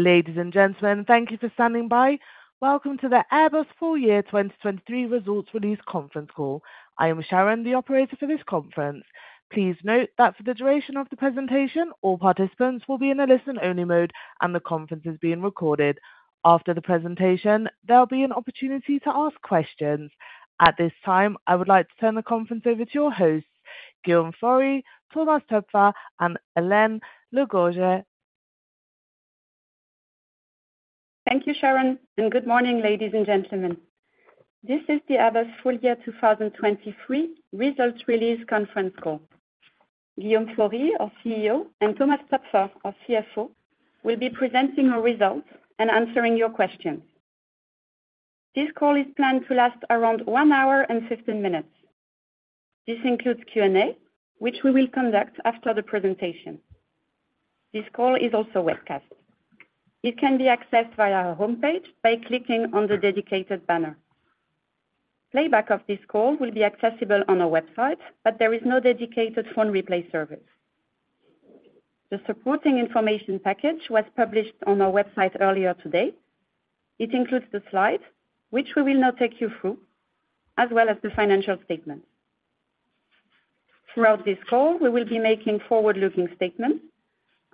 Ladies and gentlemen, thank you for standing by. Welcome to the Airbus Full Year 2023 Results Release conference call. I am Sharon, the operator for this conference. Please note that for the duration of the presentation, all participants will be in a listen-only mode, and the conference is being recorded. After the presentation, there will be an opportunity to ask questions. At this time, I would like to turn the conference over to your hosts, Guillaume Faury, Thomas Toepfer, and Hélène Le Gorgeu. Thank you, Sharon, and good morning, ladies and gentlemen. This is the Airbus Full Year 2023 Results Release conference call. Guillaume Faury, our CEO, and Thomas Toepfer, our CFO, will be presenting our results and answering your questions. This call is planned to last around one hour and 15 minutes. This includes Q&A, which we will conduct after the presentation. This call is also webcast. It can be accessed via our homepage by clicking on the dedicated banner. Playback of this call will be accessible on our website, but there is no dedicated phone replay service. The supporting information package was published on our website earlier today. It includes the slides, which we will now take you through, as well as the financial statements. Throughout this call, we will be making forward-looking statements.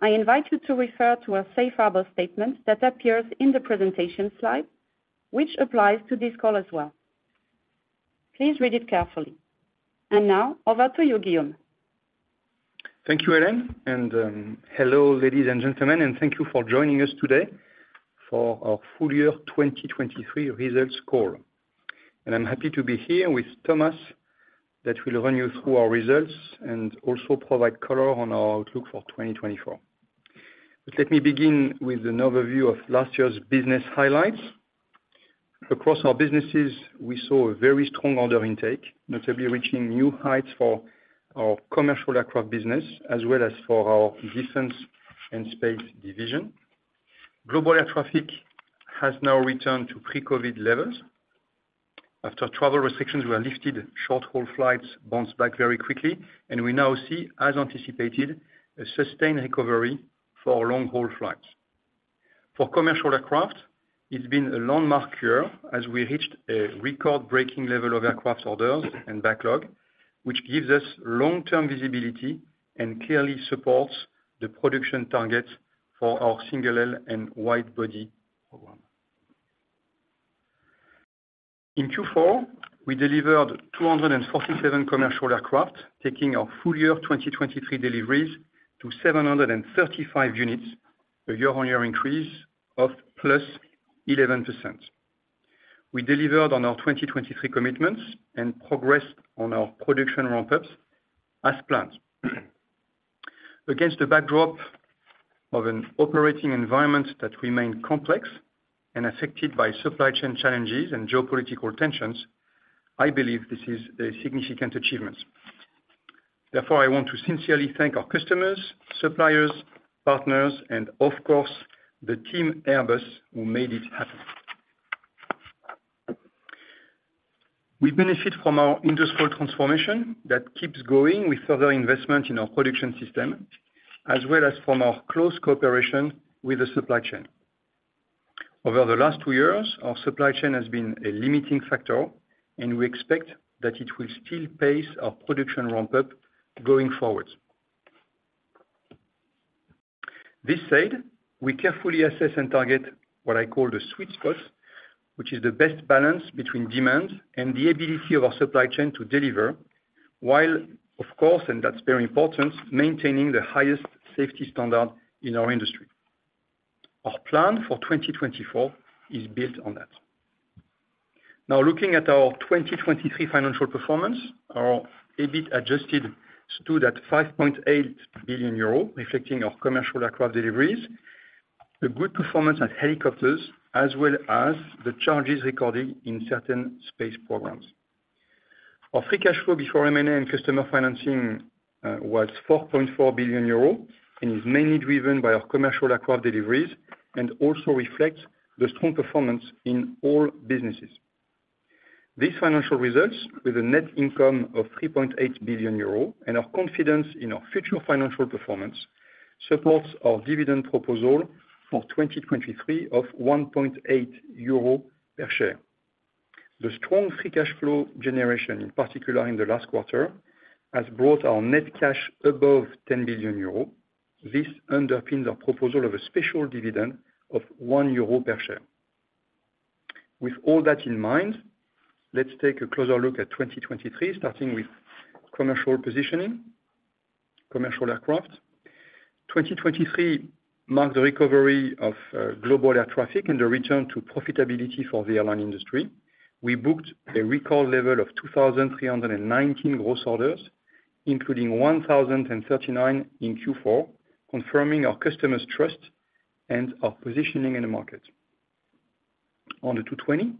I invite you to refer to a safe harbor statement that appears in the presentation slide, which applies to this call as well. Please read it carefully. And now, over to you, Guillaume. Thank you, Hélène, and hello, ladies and gentlemen, and thank you for joining us today for our full year 2023 results call. I'm happy to be here with Thomas, that will run you through our results and also provide color on our outlook for 2024. Let me begin with an overview of last year's business highlights. Across our businesses, we saw a very strong order intake, notably reaching new heights for our commercial aircraft business, as well as for our Defense and Space division. Global air traffic has now returned to pre-COVID levels. After travel restrictions were lifted, short-haul flights bounced back very quickly, and we now see, as anticipated, a sustained recovery for long-haul flights. For commercial aircraft, it's been a landmark year as we reached a record-breaking level of aircraft orders and backlog, which gives us long-term visibility and clearly supports the production targets for our single-aisle and wide-body program. In Q4, we delivered 247 commercial aircraft, taking our full year 2023 deliveries to 735 units, a year-on-year increase of +11%. We delivered on our 2023 commitments and progressed on our production ramp-ups as planned. Against the backdrop of an operating environment that remained complex and affected by supply chain challenges and geopolitical tensions, I believe this is a significant achievement. Therefore, I want to sincerely thank our customers, suppliers, partners, and of course, the team Airbus, who made it happen. We benefit from our industrial transformation that keeps growing with further investment in our production system, as well as from our close cooperation with the supply chain. Over the last two years, our supply chain has been a limiting factor, and we expect that it will still pace our production ramp-up going forward. This said, we carefully assess and target what I call the sweet spot, which is the best balance between demand and the ability of our supply chain to deliver, while of course, and that's very important, maintaining the highest safety standard in our industry. Our plan for 2024 is built on that. Now, looking at our 2023 financial performance, our EBIT adjusted stood at 5.8 billion euro, reflecting our commercial aircraft deliveries, the good performance of helicopters, as well as the charges recorded in certain space programs. Our free cash flow before M&A and customer financing was 4.4 billion euro and is mainly driven by our commercial aircraft deliveries and also reflects the strong performance in all businesses. These financial results, with a net income of 3.8 billion euro, and our confidence in our future financial performance, supports our dividend proposal for 2023 of 1.8 euro per share. The strong free cash flow generation, in particular in the last quarter, has brought our net cash above 10 billion euro. This underpins our proposal of a special dividend of 1 euro per share. With all that in mind, let's take a closer look at 2023, starting with commercial positioning, commercial aircraft. 2023 marked the recovery of global air traffic and the return to profitability for the airline industry. We booked a record level of 2,319 gross orders, including 1,039 in Q4, confirming our customers' trust and our positioning in the market. On the A220,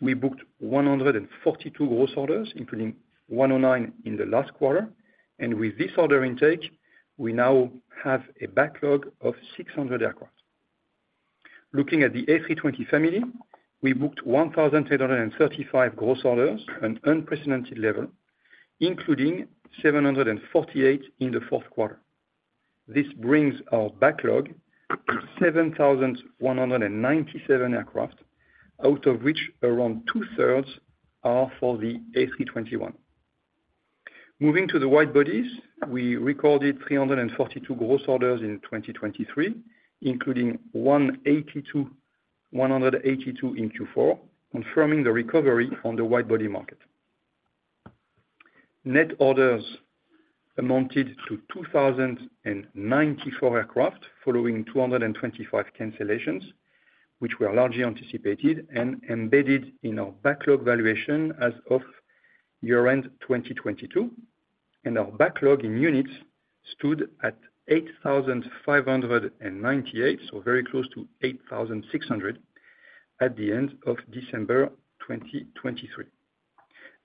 we booked 142 gross orders, including 109 in the last quarter, and with this order intake, we now have a backlog of 600 aircraft. Looking at the A320 family, we booked 1,835 gross orders, an unprecedented level, including 748 in the fourth quarter. This brings our backlog to 7,197 aircraft, out of which around two-thirds are for the A321. Moving to the wide bodies, we recorded 342 gross orders in 2023, including 182, 182 in Q4, confirming the recovery on the wide-body market. Net orders amounted to 2,094 aircraft, following 225 cancellations, which were largely anticipated and embedded in our backlog valuation as of year-end 2022, and our backlog in units stood at 8,598, so very close to 8,600 at the end of December 2023.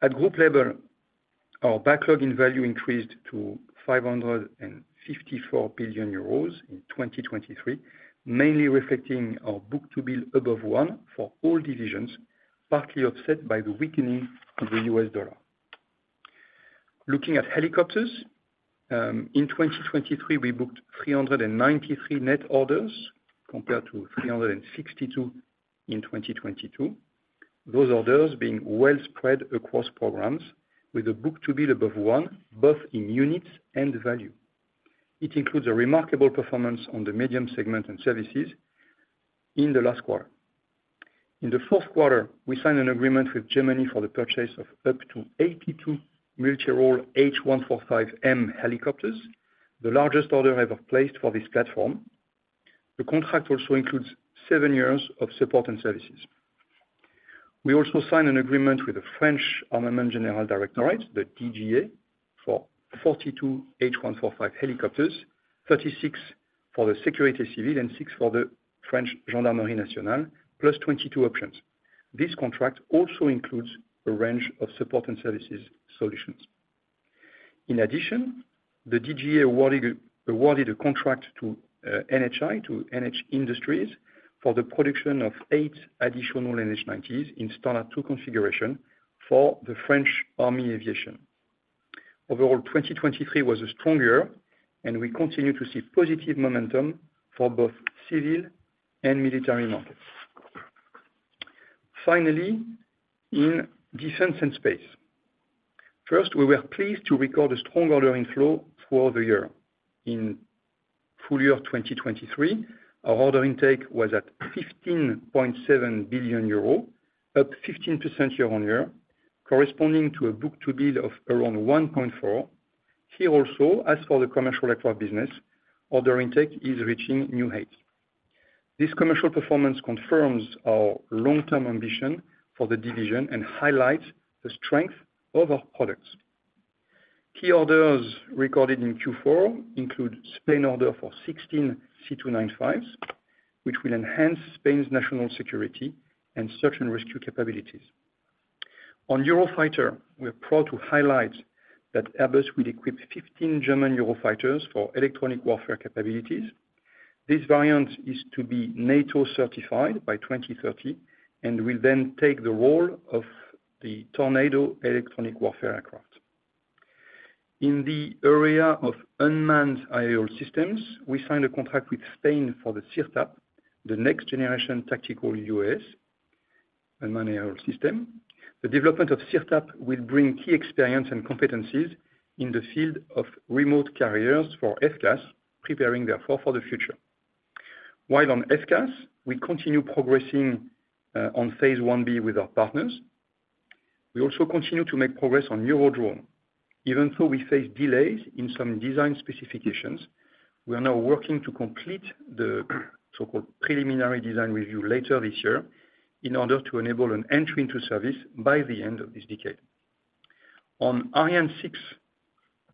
At group level, our backlog in value increased to 554 billion euros in 2023, mainly reflecting our book-to-bill above 1 for all divisions, partly offset by the weakening of the US dollar. Looking at helicopters, in 2023, we booked 393 net orders, compared to 362 in 2022. Those orders being well spread across programs with a book-to-bill above 1, both in units and value. It includes a remarkable performance on the medium segment and services in the last quarter. In the fourth quarter, we signed an agreement with Germany for the purchase of up to 82 military role H145M helicopters, the largest order ever placed for this platform. The contract also includes seven years of support and services. We also signed an agreement with the French Direction Générale de l'Armement, the DGA, for 42 H145 helicopters, 36 for the Sécurité Civile and six for the French Gendarmerie Nationale, plus 22 options. This contract also includes a range of support and services solutions. In addition, the DGA awarded a contract to NHI, to NHIndustries, for the production of eight additional NH90s in Standard 2 configuration for the French Army Aviation. Overall, 2023 was a strong year, and we continue to see positive momentum for both civil and military markets. Finally, in Defense and Space. First, we were pleased to record a strong order inflow throughout the year. In full year 2023, our order intake was at 15.7 billion euro, up 15% year-on-year, corresponding to a book-to-bill of around 1.4. Here also, as for the commercial aircraft business, order intake is reaching new heights. This commercial performance confirms our long-term ambition for the division and highlights the strength of our products. Key orders recorded in Q4 include Spain order for 16 C295s, which will enhance Spain's national security and search and rescue capabilities. On Eurofighter, we are proud to highlight that Airbus will equip 15 German Eurofighters for electronic warfare capabilities. This variant is to be NATO-certified by 2030, and will then take the role of the Tornado electronic warfare aircraft. In the area of unmanned aerial systems, we signed a contract with Spain for the SIRTAP, the next generation tactical UAS, unmanned aerial system. The development of SIRTAP will bring key experience and competencies in the field of remote carriers for FCAS, preparing therefore for the future. While on FCAS, we continue progressing on phase 1B with our partners. We also continue to make progress on Eurodrone. Even though we face delays in some design specifications, we are now working to complete the so-called preliminary design review later this year, in order to enable an entry into service by the end of this decade. On Ariane 6,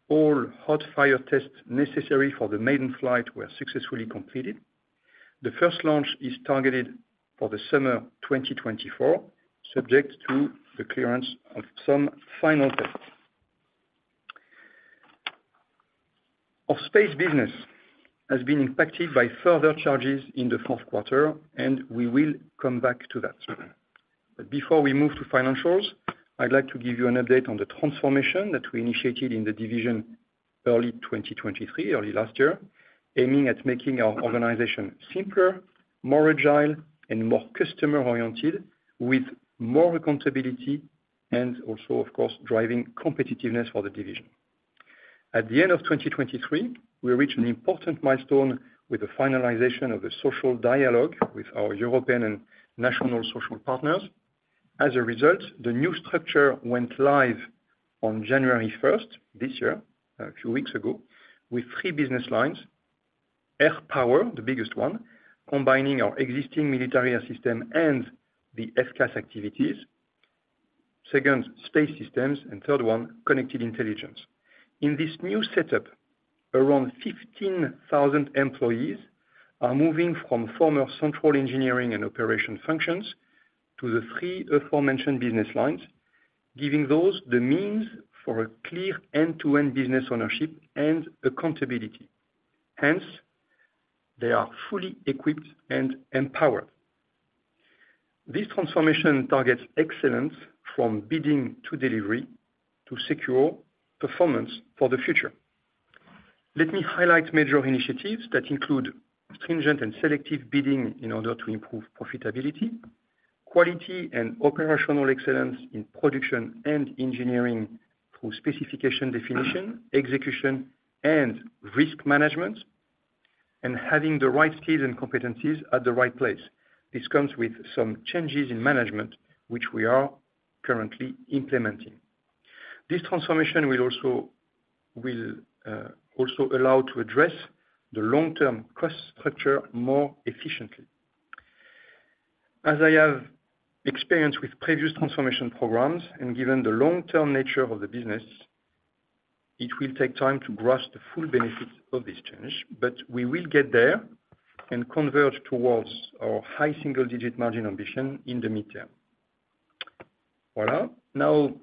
all hot fire tests necessary for the maiden flight were successfully completed. The first launch is targeted for the summer 2024, subject to the clearance of some final tests. Our space business has been impacted by further charges in the fourth quarter, and we will come back to that. Before we move to financials, I'd like to give you an update on the transformation that we initiated in the division early 2023, early last year, aiming at making our organization simpler, more agile, and more customer-oriented, with more accountability, and also, of course, driving competitiveness for the division. At the end of 2023, we reached an important milestone with the finalization of the social dialogue with our European and national social partners. As a result, the new structure went live on January first this year, a few weeks ago, with three business lines: Air Power, the biggest one, combining our existing military air system and the FCAS activities. Second, Space Systems, and third one, Connected Intelligence. In this new setup, around 15,000 employees are moving from former central engineering and operation functions to the three aforementioned business lines, giving those the means for a clear end-to-end business ownership and accountability. Hence, they are fully equipped and empowered. This transformation targets excellence from bidding to delivery, to secure performance for the future. Let me highlight major initiatives that include stringent and selective bidding in order to improve profitability, quality and operational excellence in production and engineering through specification definition, execution, and risk management, and having the right skills and competencies at the right place. This comes with some changes in management, which we are currently implementing. This transformation will also allow to address the long-term cost structure more efficiently. As I have experience with previous transformation programs and given the long-term nature of the business, it will take time to grasp the full benefits of this change, but we will get there and converge towards our high single-digit margin ambition in the midterm. Voila! Now,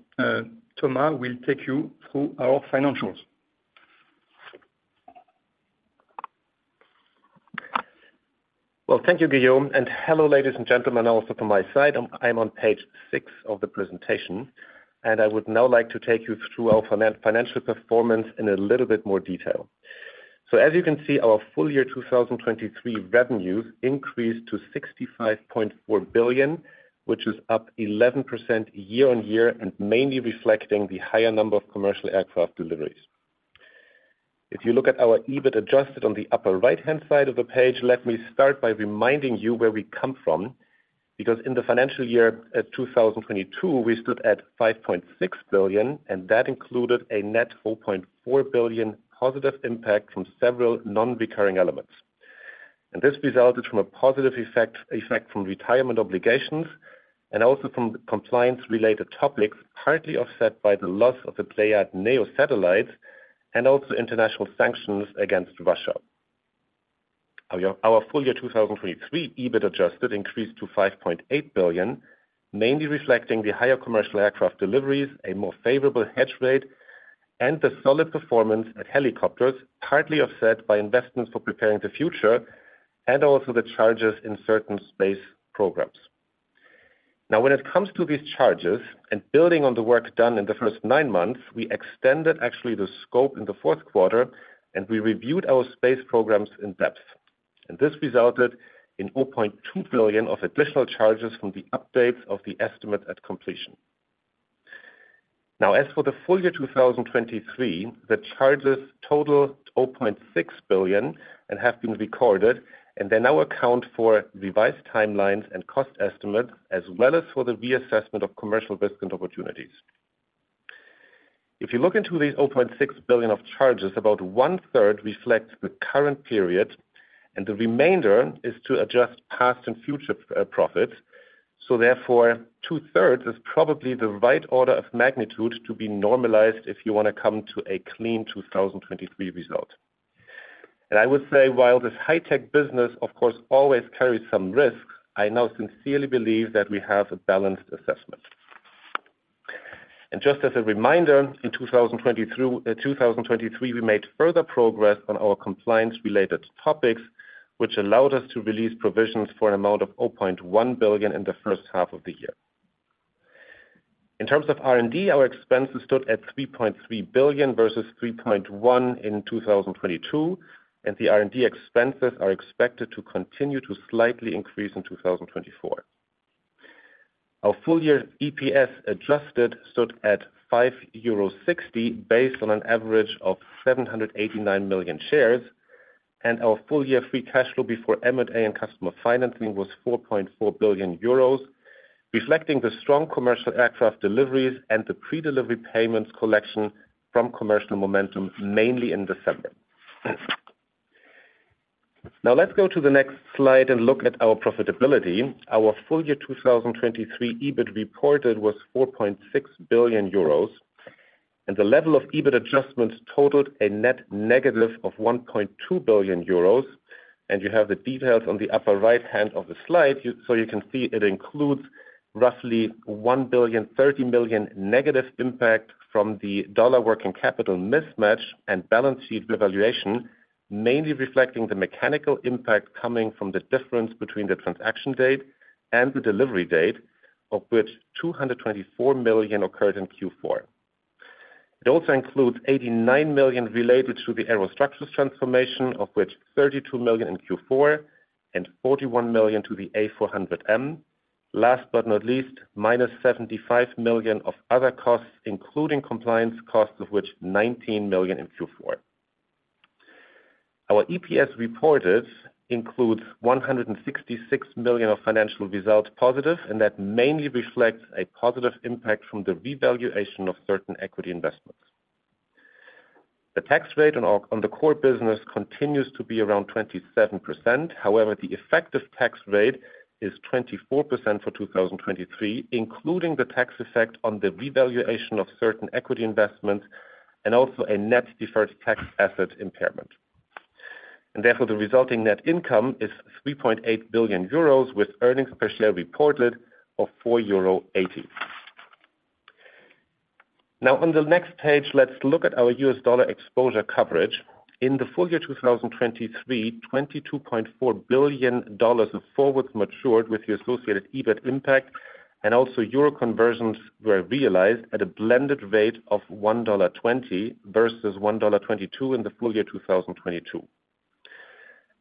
Thomas will take you through our financials. Well, thank you, Guillaume, and hello, ladies and gentlemen, also from my side. I'm on page six of the presentation, and I would now like to take you through our financial performance in a little bit more detail. So as you can see, our full year 2023 revenues increased to 65.4 billion, which is up 11% year-on-year, and mainly reflecting the higher number of commercial aircraft deliveries. If you look at our EBIT adjusted on the upper right-hand side of the page, let me start by reminding you where we come from, because in the financial year 2022, we stood at 5.6 billion, and that included a net 4.4 billion positive impact from several non-recurring elements. This resulted from a positive effect from retirement obligations and also from compliance-related topics, partly offset by the loss of the Pléiades Neo satellites and also international sanctions against Russia. Our full year 2023 EBIT adjusted increased to 5.8 billion, mainly reflecting the higher commercial aircraft deliveries, a more favorable hedge rate, and the solid performance at helicopters, partly offset by investments for preparing the future and also the charges in certain space programs. Now, when it comes to these charges and building on the work done in the first nine months, we extended actually the scope in the fourth quarter, and we reviewed our space programs in depth. This resulted in 0.2 billion of additional charges from the updates of the estimate at completion. Now, as for the full year 2023, the charges total 0.6 billion and have been recorded, and they now account for revised timelines and cost estimates, as well as for the reassessment of commercial risk and opportunities. If you look into these 0.6 billion of charges, about one-third reflect the current period, and the remainder is to adjust past and future profits. So therefore, two-thirds is probably the right order of magnitude to be normalized if you wanna come to a clean 2023 result. And I would say, while this high-tech business, of course, always carries some risk, I now sincerely believe that we have a balanced assessment. Just as a reminder, in 2023, we made further progress on our compliance-related topics, which allowed us to release provisions for an amount of 0.1 billion in the first half of the year. In terms of R&D, our expenses stood at 3.3 billion versus 3.1 billion in 2022, and the R&D expenses are expected to continue to slightly increase in 2024. Our full-year EPS adjusted stood at 5.60 euro, based on an average of 789 million shares, and our full-year free cash flow before M&A and customer financing was 4.4 billion euros, reflecting the strong commercial aircraft deliveries and the pre-delivery payments collection from commercial momentum, mainly in December. Now, let's go to the next slide and look at our profitability. Our full year 2023, EBIT reported was 4.6 billion euros, and the level of EBIT adjustments totaled a net negative of 1.2 billion euros. And you have the details on the upper right-hand of the slide. So you can see it includes roughly 1.03 billion negative impact from the US dollar working capital mismatch and balance sheet revaluation, mainly reflecting the mechanical impact coming from the difference between the transaction date and the delivery date, of which 224 million occurred in Q4. It also includes 89 million related to the aerostructures transformation, of which 32 million in Q4 and 41 million to the A400M. Last but not least, minus 75 million of other costs, including compliance costs, of which 19 million in Q4. Our EPS reported includes 166 million of financial results positive, and that mainly reflects a positive impact from the revaluation of certain equity investments. The tax rate on our, on the core business continues to be around 27%. However, the effective tax rate is 24% for 2023, including the tax effect on the revaluation of certain equity investments and also a net deferred tax asset impairment. And therefore, the resulting net income is 3.8 billion euros, with earnings per share reported of €4.80.... Now, on the next page, let's look at our US dollar exposure coverage. In the full year 2023, $22.4 billion of forwards matured with the associated EBIT impact, and also euro conversions were realized at a blended rate of $1.20 versus $1.22 in the full year 2022.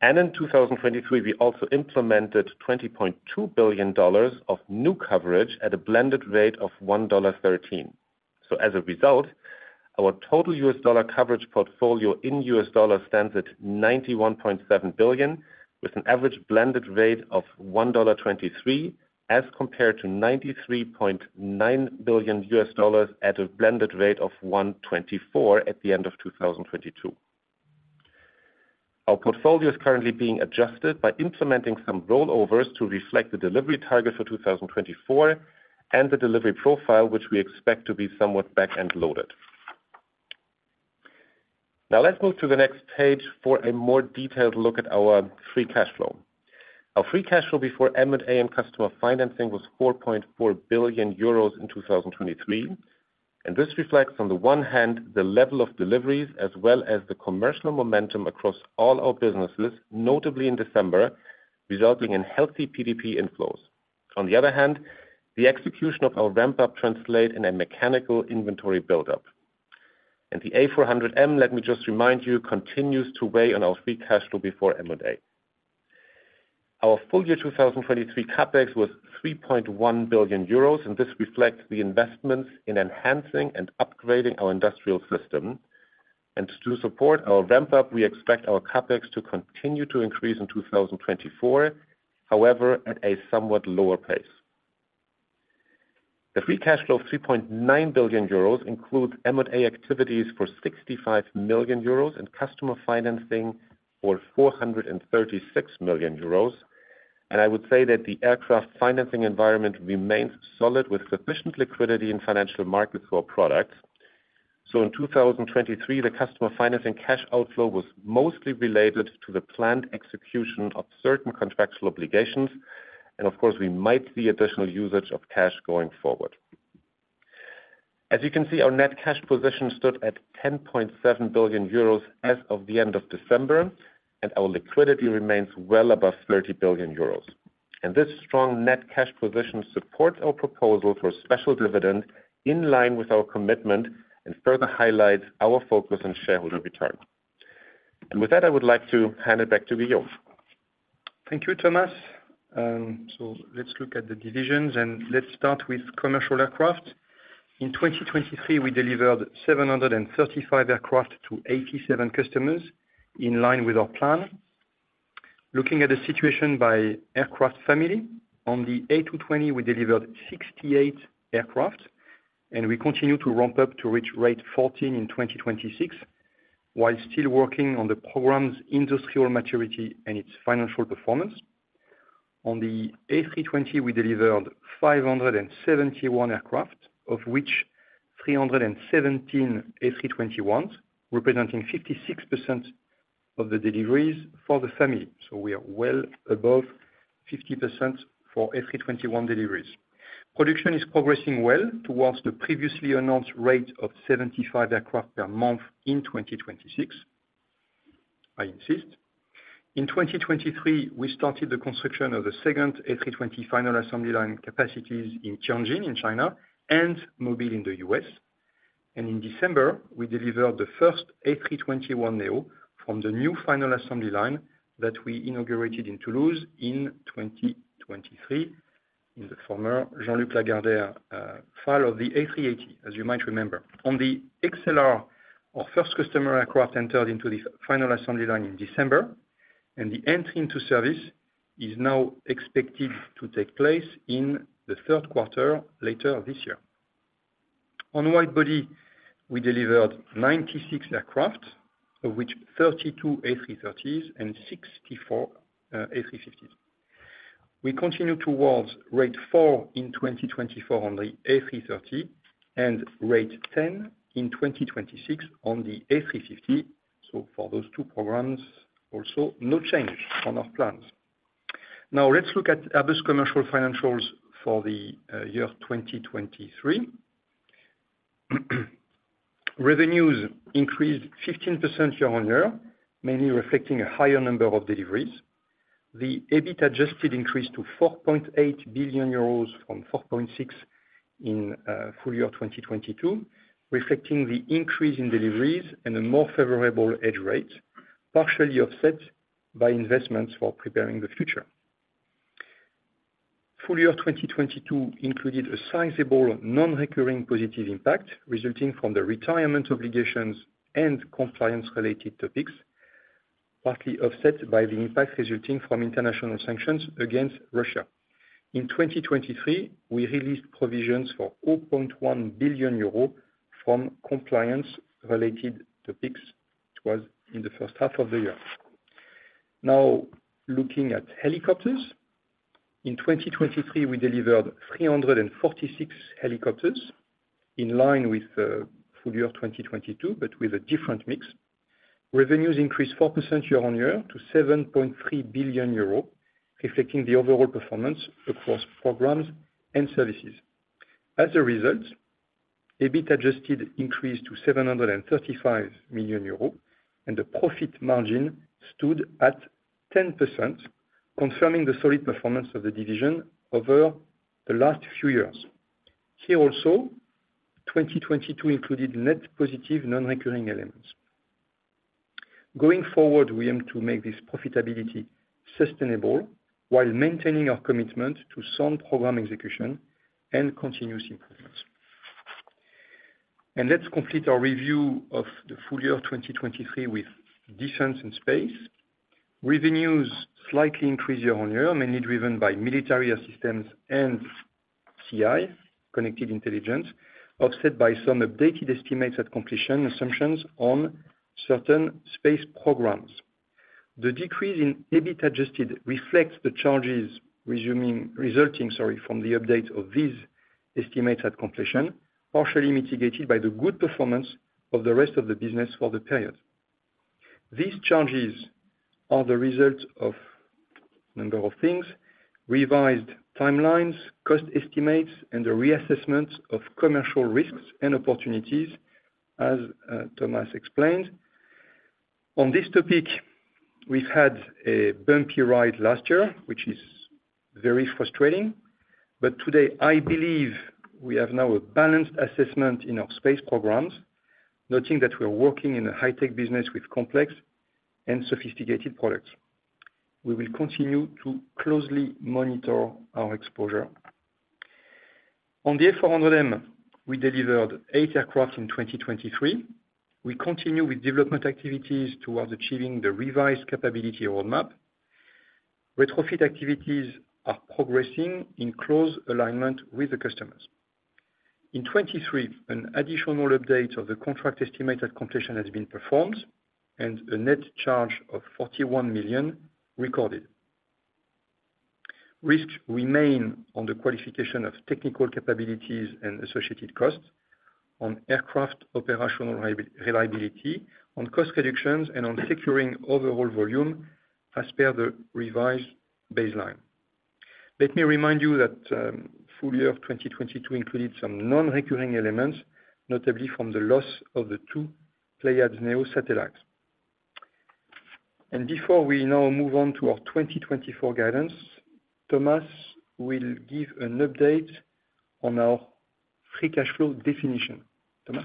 And in 2023, we also implemented $20.2 billion of new coverage at a blended rate of $1.13. So as a result, our total US dollar coverage portfolio in US dollars stands at $91.7 billion, with an average blended rate of $1.23, as compared to $93.9 billion US dollars at a blended rate of $1.24 at the end of 2022. Our portfolio is currently being adjusted by implementing some rollovers to reflect the delivery target for 2024, and the delivery profile, which we expect to be somewhat back-end loaded. Now, let's move to the next page for a more detailed look at our free cash flow. Our free cash flow before M&A and customer financing was 4.4 billion euros in 2023, and this reflects, on the one hand, the level of deliveries, as well as the commercial momentum across all our businesses, notably in December, resulting in healthy PDP inflows. On the other hand, the execution of our ramp-up translate in a mechanical inventory buildup. And the A400M, let me just remind you, continues to weigh on our free cash flow before M&A. Our full year 2023 CapEx was 3.1 billion euros, and this reflects the investments in enhancing and upgrading our industrial system. To support our ramp-up, we expect our CapEx to continue to increase in 2024, however, at a somewhat lower pace. The free cash flow of 3.9 billion euros includes M&A activities for 65 million euros and customer financing for 436 million euros. I would say that the aircraft financing environment remains solid, with sufficient liquidity in financial markets for our products. In 2023, the customer financing cash outflow was mostly related to the planned execution of certain contractual obligations, and of course, we might see additional usage of cash going forward. As you can see, our net cash position stood at 10.7 billion euros as of the end of December, and our liquidity remains well above 30 billion euros. With that, I would like to hand it back to Guillaume. Thank you, Thomas. So let's look at the divisions, and let's start with commercial aircraft. In 2023, we delivered 735 aircraft to 87 customers, in line with our plan. Looking at the situation by aircraft family, on the A220, we delivered 68 aircraft, and we continue to ramp up to reach rate 14 in 2026, while still working on the program's industrial maturity and its financial performance. On the A320, we delivered 571 aircraft, of which 317 A321s, representing 56% of the deliveries for the family. So we are well above 50% for A321 deliveries. Production is progressing well towards the previously announced rate of 75 aircraft per month in 2026, I insist. In 2023, we started the construction of the second A320 final assembly line capacities in Tianjin, in China, and Mobile in the US. In December, we delivered the first A321neo from the new final assembly line that we inaugurated in Toulouse in 2023, in the former Jean-Luc Lagardère site of the A380, as you might remember. On the XLR, our first customer aircraft entered into the final assembly line in December, and the entry into service is now expected to take place in the third quarter later this year. On wide-body, we delivered 96 aircraft, of which 32 A330s and 64 A350s. We continue towards rate 4 in 2024 on the A330 and rate 10 in 2026 on the A350. For those two programs, also, no change on our plans. Now, let's look at Airbus commercial financials for the year 2023. Revenues increased 15% year-over-year, mainly reflecting a higher number of deliveries. The EBIT adjusted increased to 4.8 billion euros from 4.6 billion in full year 2022, reflecting the increase in deliveries and a more favorable hedge rate, partially offset by investments for preparing the future. Full year of 2022 included a sizable non-recurring positive impact resulting from the retirement obligations and compliance-related topics, partly offset by the impact resulting from international sanctions against Russia. In 2023, we released provisions for 4.1 billion euro from compliance-related topics. It was in the first half of the year. Now, looking at helicopters. In 2023, we delivered 346 helicopters in line with full year 2022, but with a different mix.... Revenues increased 4% year-on-year to 7.3 billion euro, reflecting the overall performance across programs and services. As a result, EBIT adjusted increased to 735 million euros, and the profit margin stood at 10%, confirming the solid performance of the division over the last few years. Here also, 2022 included net positive non-recurring elements. Going forward, we aim to make this profitability sustainable while maintaining our commitment to sound program execution and continuous improvements. Let's complete our review of the full year of 2023 with Defense and Space. Revenues slightly increased year-on-year, mainly driven by military assistance and CI, connected intelligence, offset by some updated estimates at completion assumptions on certain space programs. The decrease in EBIT adjusted reflects the charges resulting, sorry, from the update of these estimates at completion, partially mitigated by the good performance of the rest of the business for the period. These changes are the result of number of things: revised timelines, cost estimates, and the reassessment of commercial risks and opportunities, as, Thomas explained. On this topic, we've had a bumpy ride last year, which is very frustrating, but today I believe we have now a balanced assessment in our space programs, noting that we are working in a high-tech business with complex and sophisticated products. We will continue to closely monitor our exposure. On the A400M, we delivered 8 aircraft in 2023. We continue with development activities towards achieving the revised capability roadmap. Retrofit activities are progressing in close alignment with the customers. In 2023, an additional update of the contract estimated completion has been performed, and a net charge of 41 million recorded. Risks remain on the qualification of technical capabilities and associated costs on aircraft operational reliability, on cost reductions, and on securing overall volume as per the revised baseline. Let me remind you that full year of 2022 included some non-recurring elements, notably from the loss of the two Pléiades Neo satellites. Before we now move on to our 2024 guidance, Thomas will give an update on our free cash flow definition. Thomas?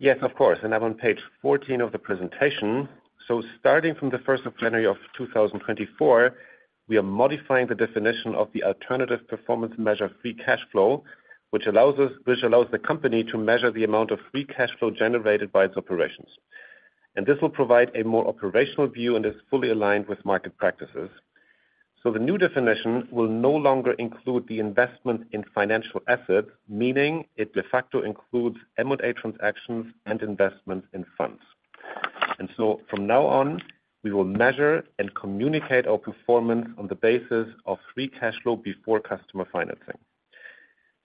Yes, of course, and I'm on page 14 of the presentation. So starting from the first of January of 2024, we are modifying the definition of the alternative performance measure free cash flow, which allows the company to measure the amount of free cash flow generated by its operations. And this will provide a more operational view and is fully aligned with market practices. So the new definition will no longer include the investment in financial assets, meaning it de facto includes M&A transactions and investment in funds. And so from now on, we will measure and communicate our performance on the basis of free cash flow before customer financing.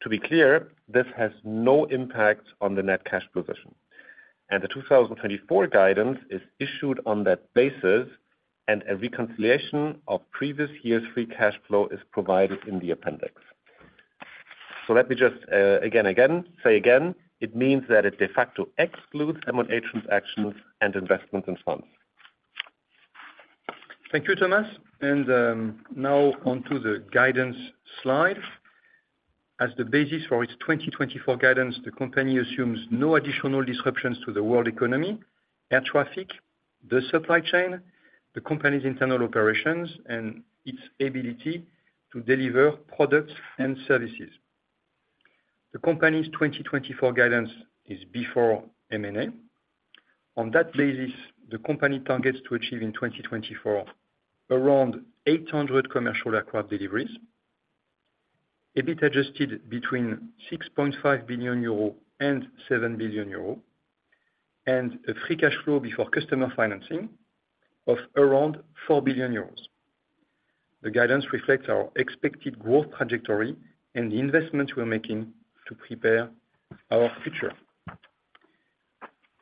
To be clear, this has no impact on the net cash position, and the 2024 guidance is issued on that basis, and a reconciliation of previous years' free cash flow is provided in the appendix. So let me just, again, again, say again, it means that it de facto excludes M&A transactions and investment in funds. Thank you, Thomas. Now on to the guidance slide. As the basis for its 2024 guidance, the company assumes no additional disruptions to the world economy, air traffic, the supply chain, the company's internal operations, and its ability to deliver products and services. The company's 2024 guidance is before M&A. On that basis, the company targets to achieve in 2024, around 800 commercial aircraft deliveries, EBIT adjusted between 6.5 billion euro and 7 billion euro, and a free cash flow before customer financing of around 4 billion euros. The guidance reflects our expected growth trajectory and the investments we're making to prepare our future.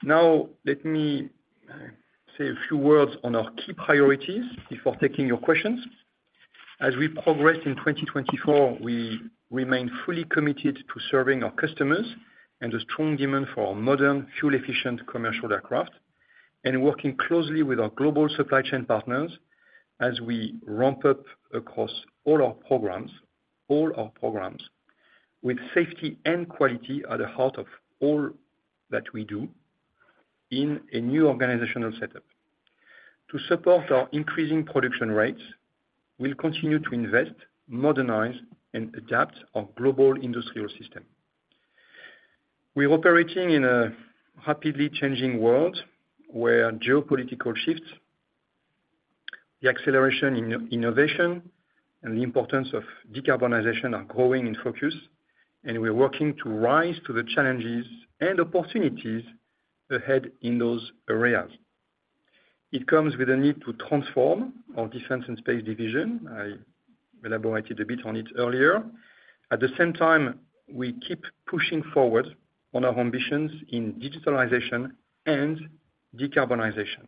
Now, let me say a few words on our key priorities before taking your questions. As we progress in 2024, we remain fully committed to serving our customers and a strong demand for our modern, fuel-efficient commercial aircraft and working closely with our global supply chain partners as we ramp up across all our programs, all our programs, with safety and quality at the heart of all that we do in a new organizational setup. To support our increasing production rates, we'll continue to invest, modernize, and adapt our global industrial system. We're operating in a rapidly changing world where geopolitical shifts, the acceleration in innovation, and the importance of decarbonization are growing in focus, and we're working to rise to the challenges and opportunities ahead in those areas.... It comes with a need to transform our Defence and Space division. I elaborated a bit on it earlier. At the same time, we keep pushing forward on our ambitions in digitalization and decarbonization.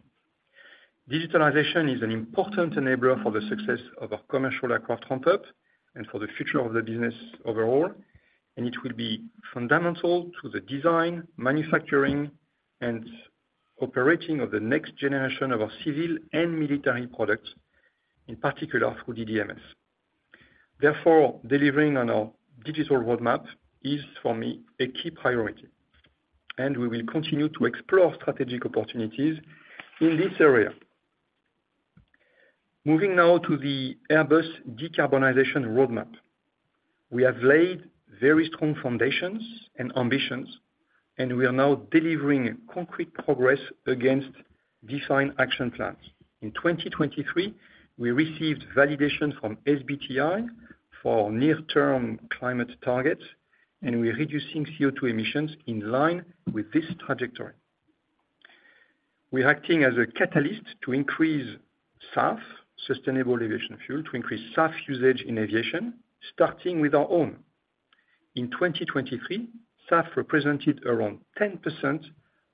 Digitalization is an important enabler for the success of our commercial aircraft hub, and for the future of the business overall, and it will be fundamental to the design, manufacturing, and operating of the next generation of our civil and military products, in particular, through DDMS. Therefore, delivering on our digital roadmap is, for me, a key priority, and we will continue to explore strategic opportunities in this area. Moving now to the Airbus decarbonization roadmap. We have laid very strong foundations and ambitions, and we are now delivering concrete progress against design action plans. In 2023, we received validation from SBTi for near-term climate targets, and we are reducing CO2 emissions in line with this trajectory. We are acting as a catalyst to increase SAF, sustainable aviation fuel, to increase SAF usage in aviation, starting with our own. In 2023, SAF represented around 10%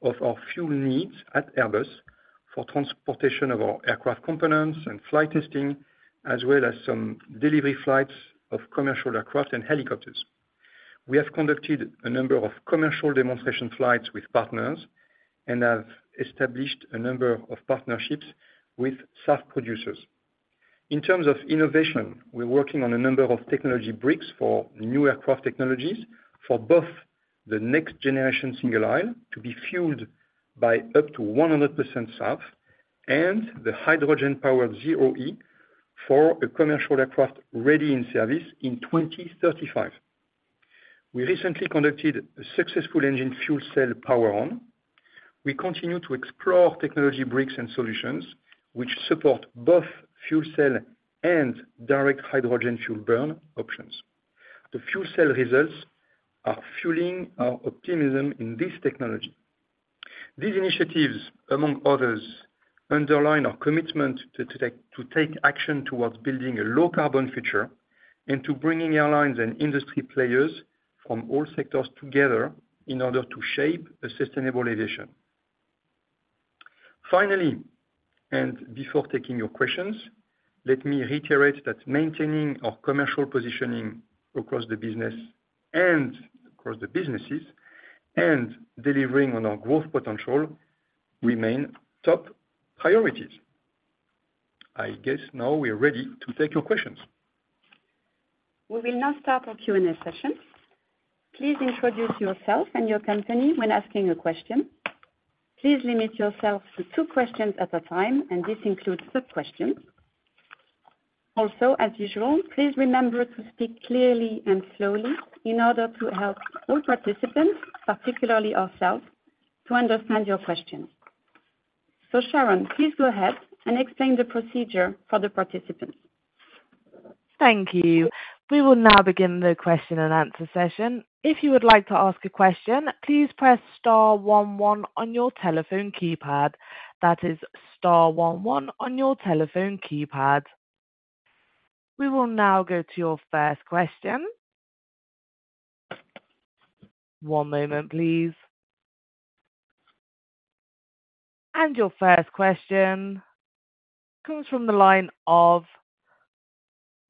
of our fuel needs at Airbus for transportation of our aircraft components and flight testing, as well as some delivery flights of commercial aircraft and helicopters. We have conducted a number of commercial demonstration flights with partners and have established a number of partnerships with SAF producers. In terms of innovation, we're working on a number of technology bricks for new aircraft technologies, for both the next generation single aisle to be fueled by up to 100% SAF, and the hydrogen-powered ZEROe for a commercial aircraft ready in service in 2035. We recently conducted a successful engine fuel cell power on. We continue to explore technology breaks and solutions which support both fuel cell and direct hydrogen fuel burn options. The fuel cell results are fueling our optimism in this technology. These initiatives, among others, underline our commitment to take action towards building a low carbon future, and to bringing airlines and industry players from all sectors together in order to shape a sustainable aviation. Finally, and before taking your questions, let me reiterate that maintaining our commercial positioning across the business and across the businesses, and delivering on our growth potential remain top priorities. I guess now we are ready to take your questions. We will now start our Q&A session. Please introduce yourself and your company when asking a question. Please limit yourself to two questions at a time, and this includes sub-questions. Also, as usual, please remember to speak clearly and slowly in order to help all participants, particularly ourselves, to understand your questions. So Sharon, please go ahead and explain the procedure for the participants. Thank you. We will now begin the question and answer session. If you would like to ask a question, please press star one one on your telephone keypad. That is star one one on your telephone keypad. We will now go to your first question. One moment, please. Your first question comes from the line of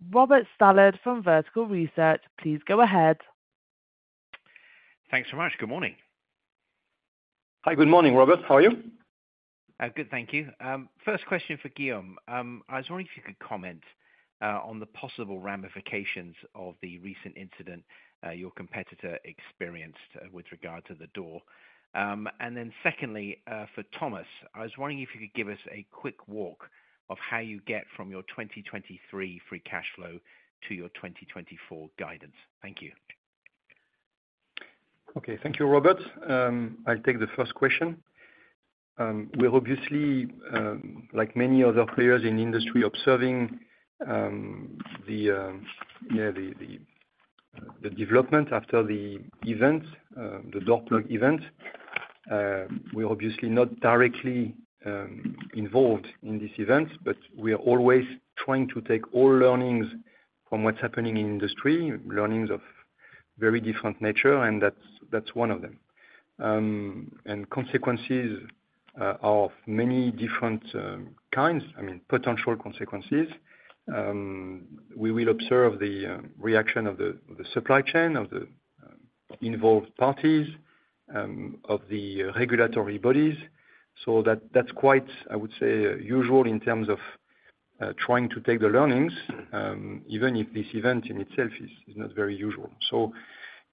Robert Stallard from Vertical Research. Please go ahead. Thanks so much. Good morning. Hi, good morning, Robert. How are you? Good, thank you. First question for Guillaume. I was wondering if you could comment on the possible ramifications of the recent incident your competitor experienced with regard to the door. And then secondly, for Thomas, I was wondering if you could give us a quick walk of how you get from your 2023 free cash flow to your 2024 guidance. Thank you. Okay. Thank you, Robert. I'll take the first question. We're obviously, like many other players in the industry, observing the development after the event, the door plug event. We're obviously not directly involved in this event, but we are always trying to take all learnings from what's happening in the industry, learnings of very different nature, and that's one of them. And consequences are of many different kinds, I mean, potential consequences. We will observe the reaction of the supply chain, of the involved parties, of the regulatory bodies. So that's quite, I would say, usual in terms of trying to take the learnings, even if this event in itself is not very usual. So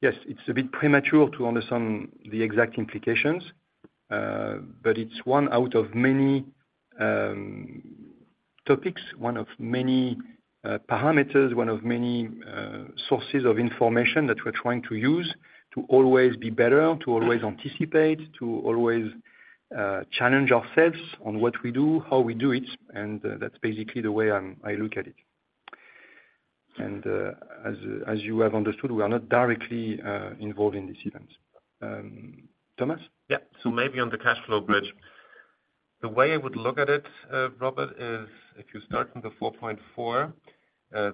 yes, it's a bit premature to understand the exact implications, but it's one out of many, topics, one of many, parameters, one of many, sources of information that we're trying to use to always be better, to always anticipate, to always, challenge ourselves on what we do, how we do it, and, that's basically the way I look at it. And, as, as you have understood, we are not directly, involved in these events. Thomas? Yeah. So maybe on the cash flow bridge, the way I would look at it, Robert, is if you start from the 4.4,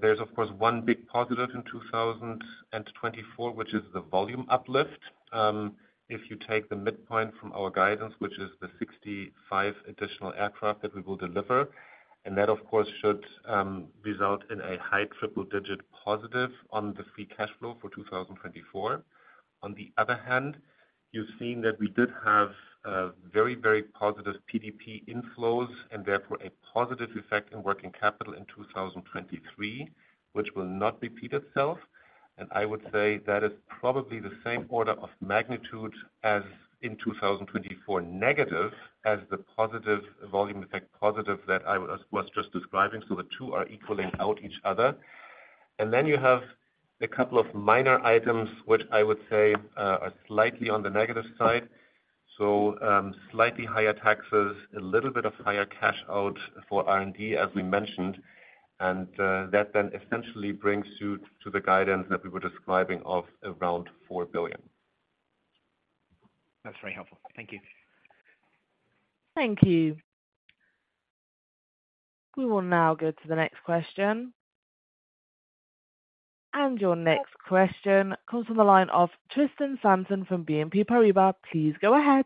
there's of course one big positive in 2024, which is the volume uplift. If you take the midpoint from our guidance, which is the 65 additional aircraft that we will deliver, and that, of course, should result in a high triple-digit positive on the free cash flow for 2024. On the other hand, you've seen that we did have very, very positive PDP inflows, and therefore a positive effect in working capital in 2023, which will not repeat itself. And I would say that is probably the same order of magnitude as in 2024, negative, as the positive volume effect that I was just describing. So the two are equaling out each other. And then you have a couple of minor items, which I would say, are slightly on the negative side. So, slightly higher taxes, a little bit of higher cash out for R&D, as we mentioned, and, that then essentially brings you to the guidance that we were describing of around 4 billion. That's very helpful. Thank you. Thank you. We will now go to the next question. Your next question comes from the line of Tristan Sanson from BNP Paribas. Please go ahead.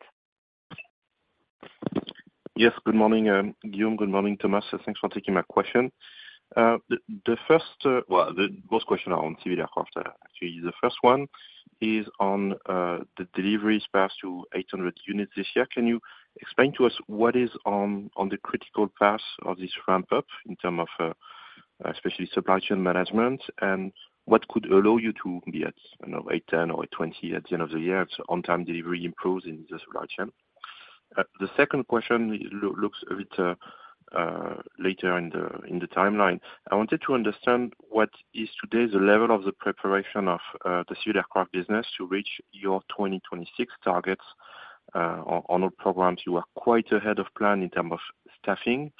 Yes, good morning, Guillaume, good morning, Thomas. Thanks for taking my question. The first, both questions are on civil aircraft, actually. The first one is on the deliveries path to 800 units this year. Can you explain to us what is on the critical path of this ramp up in terms of, especially supply chain management? And what could allow you to be at, you know, 810 or 820 at the end of the year, if on-time delivery improves in the supply chain? The second question looks a bit later in the timeline. I wanted to understand what is today the level of the preparation of the civil aircraft business to reach your 2026 targets, on all programs. You are quite ahead of plan in terms of staffing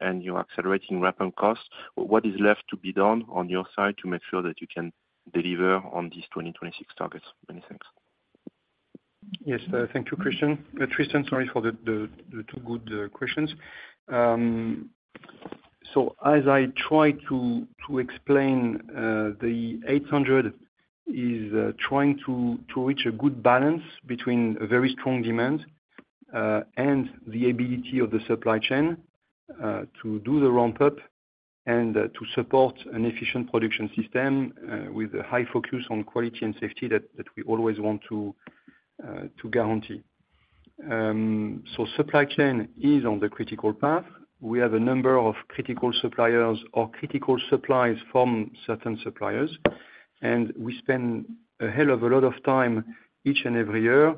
and you are accelerating ramp-up costs. What is left to be done on your side to make sure that you can deliver on these 2026 targets? Many thanks. Yes, thank you, Christian. Tristan, sorry for the two good questions. So as I try to explain, the 800 is trying to reach a good balance between a very strong demand and the ability of the supply chain to do the ramp-up and to support an efficient production system with a high focus on quality and safety that we always want to guarantee. So supply chain is on the critical path. We have a number of critical suppliers or critical supplies from certain suppliers, and we spend a hell of a lot of time each and every year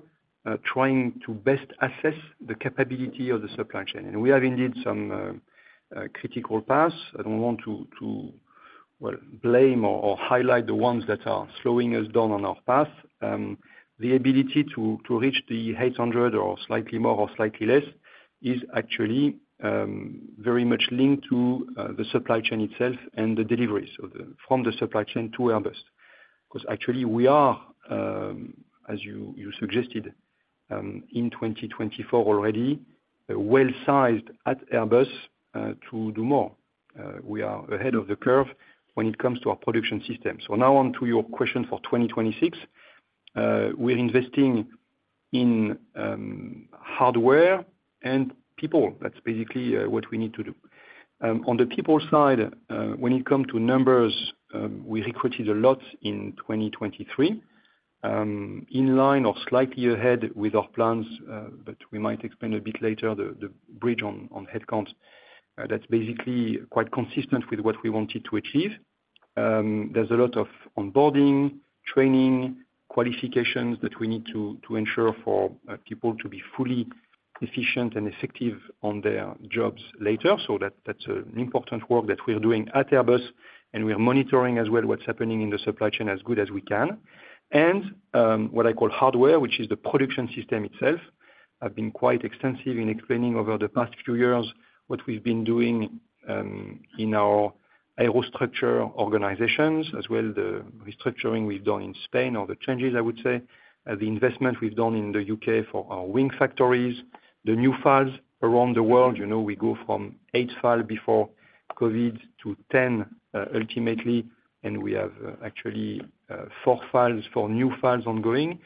trying to best assess the capability of the supply chain. And we have indeed some critical paths. I don't want to well blame or highlight the ones that are slowing us down on our path. The ability to reach the 800 or slightly more or slightly less is actually very much linked to the supply chain itself and the delivery, so the from the supply chain to Airbus. 'Cause actually we are as you suggested in 2024 already well-sized at Airbus to do more. We are ahead of the curve when it comes to our production system. So now on to your question for 2026. We're investing in hardware and people. That's basically what we need to do. On the people side, when it come to numbers, we recruited a lot in 2023, in line or slightly ahead with our plans, but we might explain a bit later the, the bridge on, on headcounts. That's basically quite consistent with what we wanted to achieve. There's a lot of onboarding, training, qualifications that we need to, to ensure for, people to be fully efficient and effective on their jobs later. That's an important work that we are doing at Airbus, and we are monitoring as well, what's happening in the supply chain as good as we can. What I call hardware, which is the production system itself, I've been quite extensive in explaining over the past few years, what we've been doing in our aerostructure organizations, as well, the restructuring we've done in Spain, or the changes I would say. The investment we've done in the UK for our wing factories, the new FALs around the world, you know, we go from 8 FALs before COVID to 10, ultimately, and we have, actually, 4 new FALs ongoing.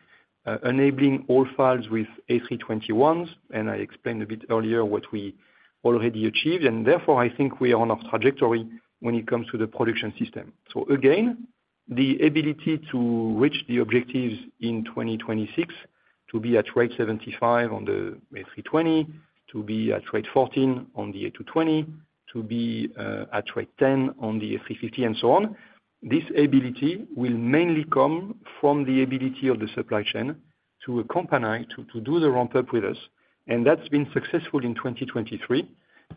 Enabling all FALs with A321s, and I explained a bit earlier what we already achieved, and therefore, I think we are on a trajectory when it comes to the production system. So again, the ability to reach the objectives in 2026, to be at rate 75 on the A320, to be at rate 14 on the A220, to be at rate 10 on the A350, and so on. This ability will mainly come from the ability of the supply chain to accompany, to do the ramp-up with us, and that's been successful in 2023,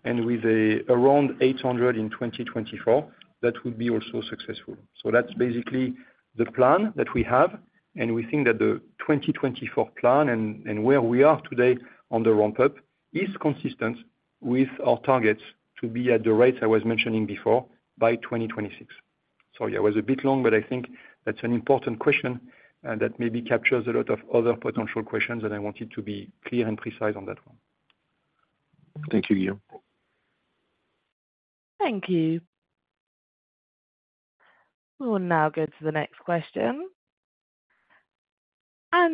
and with around 800 in 2024, that will be also successful. So that's basically the plan that we have, and we think that the 2024 plan and where we are today on the ramp-up is consistent with our targets to be at the rates I was mentioning before, by 2026. So yeah, it was a bit long, but I think that's an important question, and that maybe captures a lot of other potential questions, and I wanted to be clear and precise on that one. Thank you, Guillaume. Thank you. We will now go to the next question.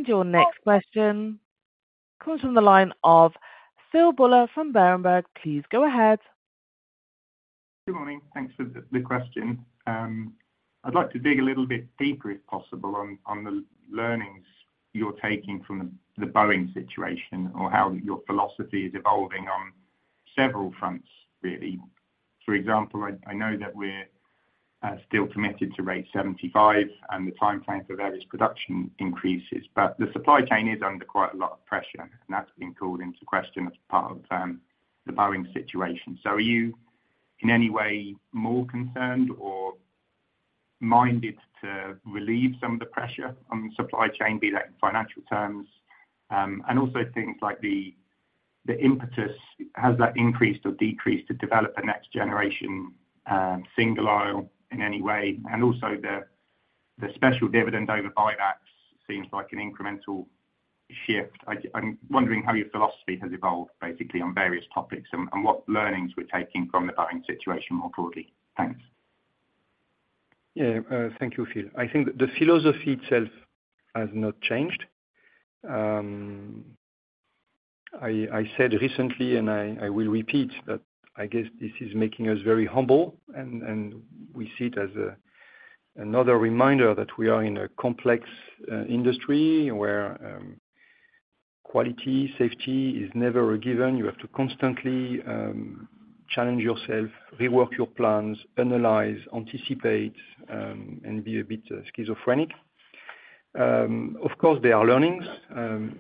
Your next question comes from the line of Phil Buller from Berenberg. Please go ahead. Good morning. Thanks for the question. I'd like to dig a little bit deeper, if possible, on the learnings you're taking from the Boeing situation, or how your philosophy is evolving on several fronts, really. For example, I know that we're still committed to rate 75, and the timeframe for various production increases, but the supply chain is under quite a lot of pressure, and that's been called into question as part of the Boeing situation. So are you, in any way, more concerned or minded to relieve some of the pressure on the supply chain, be that in financial terms? And also things like the impetus, has that increased or decreased to develop the next generation single aisle in any way? And also, the special dividend over buybacks seems like an incremental shift. I'm wondering how your philosophy has evolved, basically, on various topics, and what learnings we're taking from the Boeing situation more broadly? Thanks. Yeah. Thank you, Phil. I think the philosophy itself has not changed. I said recently, and I will repeat, that I guess this is making us very humble, and we see it as another reminder that we are in a complex industry, where quality, safety is never a given. You have to constantly challenge yourself, rework your plans, analyze, anticipate, and be a bit schizophrenic. Of course, there are learnings.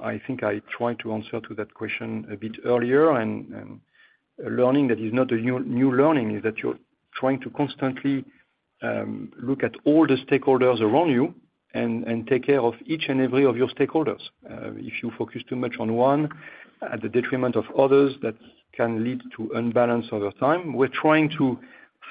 I think I tried to answer to that question a bit earlier, and a learning that is not a new, new learning, is that you're trying to constantly look at all the stakeholders around you and take care of each and every of your stakeholders. If you focus too much on one, at the detriment of others, that can lead to unbalance over time. We're trying to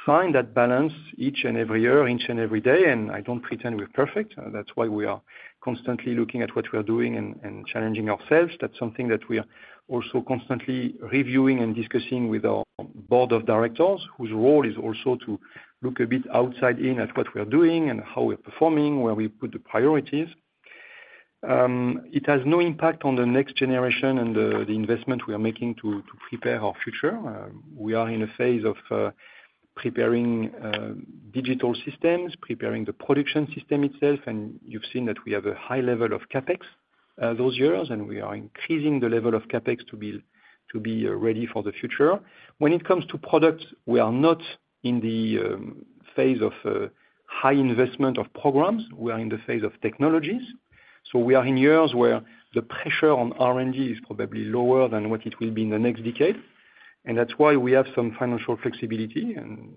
find that balance each and every year, each and every day, and I don't pretend we're perfect. That's why we are constantly looking at what we are doing and challenging ourselves. That's something that we are also constantly reviewing and discussing with our board of directors, whose role is also to look a bit outside in at what we are doing and how we're performing, where we put the priorities. It has no impact on the next generation and the investment we are making to prepare our future. We are in a phase of preparing digital systems, preparing the production system itself, and you've seen that we have a high level of CapEx those years, and we are increasing the level of CapEx to be ready for the future. When it comes to products, we are not in the phase of high investment of programs, we are in the phase of technologies. So we are in years where the pressure on R&D is probably lower than what it will be in the next decade. And that's why we have some financial flexibility, and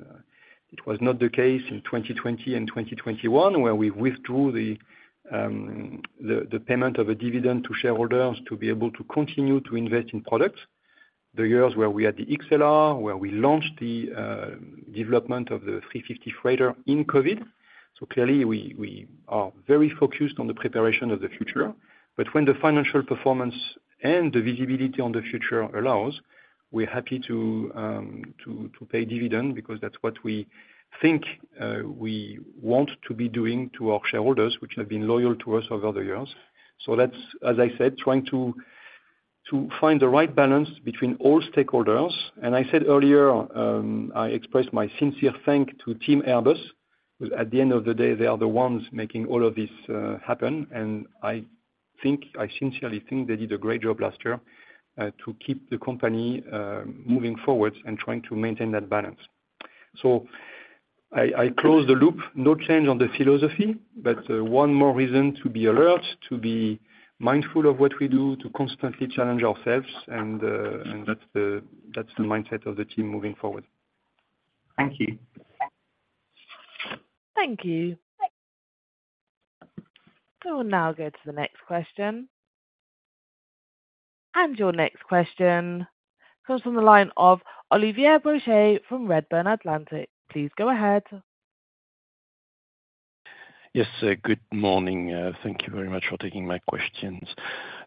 it was not the case in 2020 and 2021, where we withdrew the payment of a dividend to shareholders to be able to continue to invest in products. The years where we had the XLR, where we launched the development of the A350 Freighter in COVID. So clearly, we are very focused on the preparation of the future. But when the financial performance and the visibility on the future allows, we're happy to pay dividend, because that's what we think we want to be doing to our shareholders, which have been loyal to us over the years. So let's, as I said, trying to find the right balance between all stakeholders. And I said earlier, I expressed my sincere thanks to Team Airbus, because at the end of the day, they are the ones making all of this happen. And I think, I sincerely think they did a great job last year to keep the company moving forward and trying to maintain that balance. So I close the loop. No change on the philosophy, but one more reason to be alert, to be mindful of what we do, to constantly challenge ourselves, and that's the mindset of the team moving forward. Thank you. Thank you. We'll now go to the next question. Your next question comes from the line of Olivier Brochet from Redburn Atlantic. Please go ahead. Yes, good morning. Thank you very much for taking my questions.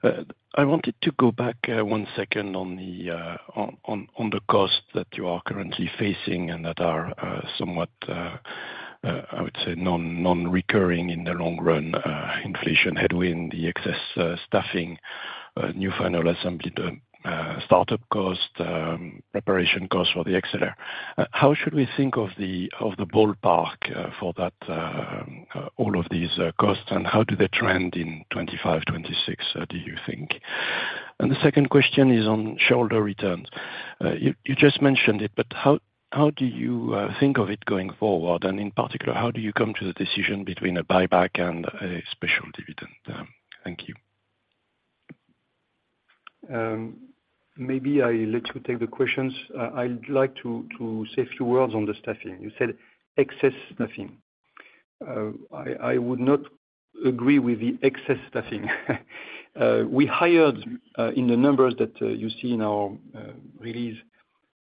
I wanted to go back one second on the costs that you are currently facing and that are somewhat, I would say, non-recurring in the long run. Inflation, headwind, the excess staffing, new final assembly, the startup cost, preparation costs for the XLR. How should we think of the ballpark for that, all of these costs, and how do they trend in 2025, 2026, do you think? And the second question is on shareholder returns. You just mentioned it, but how do you think of it going forward? And in particular, how do you come to the decision between a buyback and a special dividend? Thank you. Maybe I let you take the questions. I'd like to say a few words on the staffing. You said excess staffing. I would not agree with the excess staffing. We hired in the numbers that you see in our release,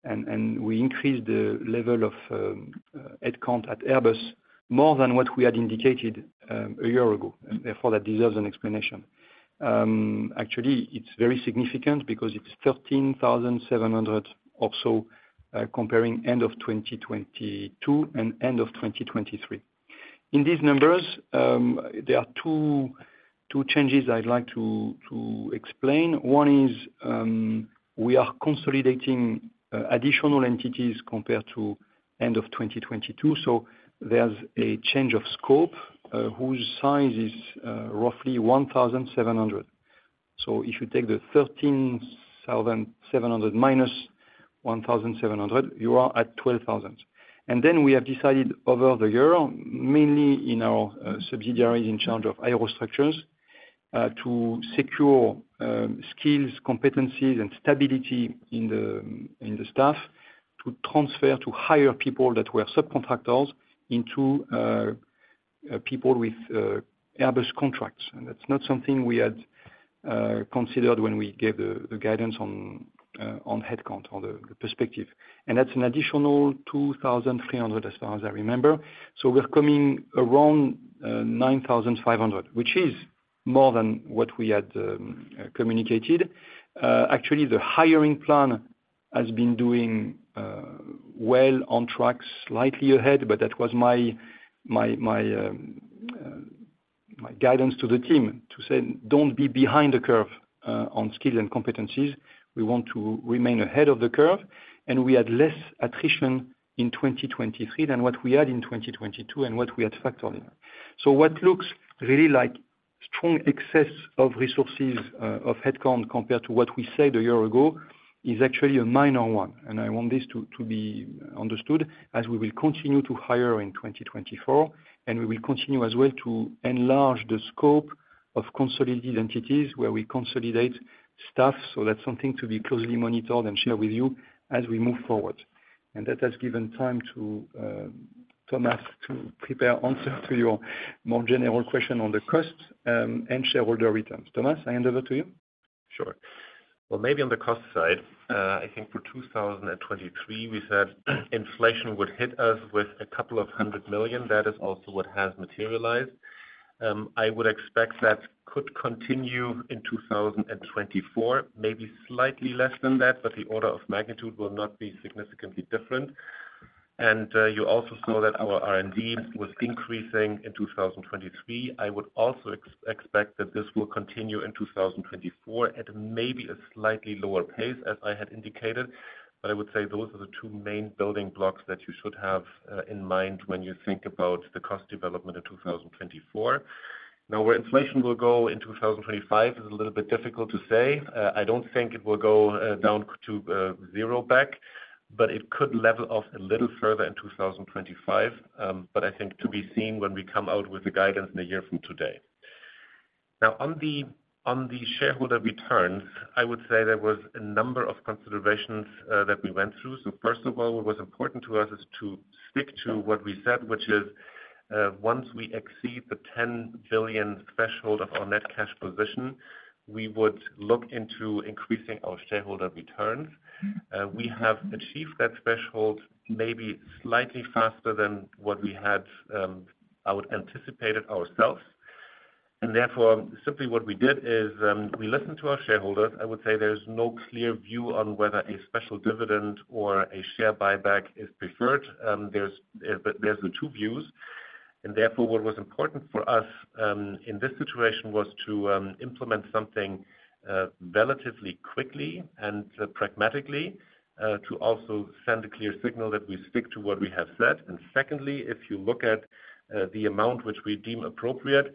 and we increased the level of headcount at Airbus more than what we had indicated a year ago, and therefore, that deserves an explanation. Actually, it's very significant because it's 13,700 or so, comparing end of 2022 and end of 2023. In these numbers, there are two changes I'd like to explain. One is, we are consolidating additional entities compared to end of 2022, so there's a change of scope whose size is roughly 1,700. So if you take the 13,700 minus 1,700, you are at 12,000. And then we have decided over the year, mainly in our subsidiaries in charge of aerostructures, to secure skills, competencies, and stability in the staff to transfer, to hire people that were subcontractors into people with Airbus contracts. And that's not something we had considered when we gave the guidance on headcount or the perspective. And that's an additional 2,300, as far as I remember. So we're coming around 9,500, which is more than what we had communicated. Actually, the hiring plan has been doing, well on track, slightly ahead, but that was my guidance to the team, to say: Don't be behind the curve, on skill and competencies. We want to remain ahead of the curve. And we had less attrition in 2023 than what we had in 2022, and what we had factored in. So what looks really like strong excess of resources, of headcount compared to what we said a year ago, is actually a minor one, and I want this to be understood as we will continue to hire in 2024, and we will continue as well to enlarge the scope of consolidated entities where we consolidate staff. So that's something to be closely monitored and share with you as we move forward. And that has given time to Thomas to prepare answer to your more general question on the costs and shareholder returns. Thomas, I hand over to you. Sure. Well, maybe on the cost side, I think for 2023, we said inflation would hit us with 200 million. That is also what has materialized. I would expect that could continue in 2024, maybe slightly less than that, but the order of magnitude will not be significantly different. You also saw that our R&D was increasing in 2023. I would also expect that this will continue in 2024, at maybe a slightly lower pace, as I had indicated. But I would say those are the two main building blocks that you should have in mind when you think about the cost development in 2024. Now, where inflation will go in 2025 is a little bit difficult to say. I don't think it will go down to zero back, but it could level off a little further in 2025. But I think to be seen when we come out with the guidance in a year from today. Now, on the shareholder return, I would say there was a number of considerations that we went through. So first of all, what was important to us is to stick to what we said, which is, once we exceed the 10 billion threshold of our net cash position, we would look into increasing our shareholder returns. We have achieved that threshold, maybe slightly faster than what we had, I would anticipate it ourselves. And therefore, simply what we did is, we listened to our shareholders. I would say there's no clear view on whether a special dividend or a share buyback is preferred. But there's the two views, and therefore, what was important for us, in this situation, was to implement something, relatively quickly and, pragmatically, to also send a clear signal that we stick to what we have said. And secondly, if you look at the amount which we deem appropriate,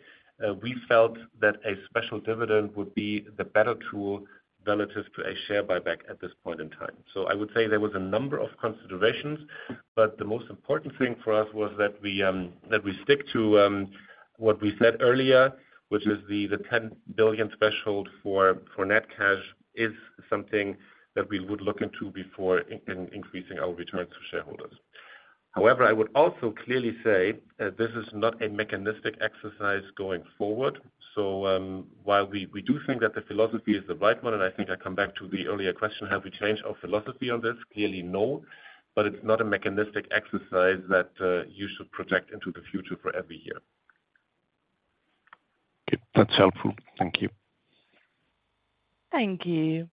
we felt that a special dividend would be the better tool relative to a share buyback at this point in time. So I would say there was a number of considerations, but the most important thing for us was that we, that we stick to what we said earlier, which is the 10 billion threshold for net cash, is something that we would look into before in increasing our returns to shareholders. However, I would also clearly say, this is not a mechanistic exercise going forward. So, while we, we do think that the philosophy is the right one, and I think I come back to the earlier question, have we changed our philosophy on this? Clearly, no. But it's not a mechanistic exercise that, you should project into the future for every year. Okay. That's helpful. Thank you. Thank you.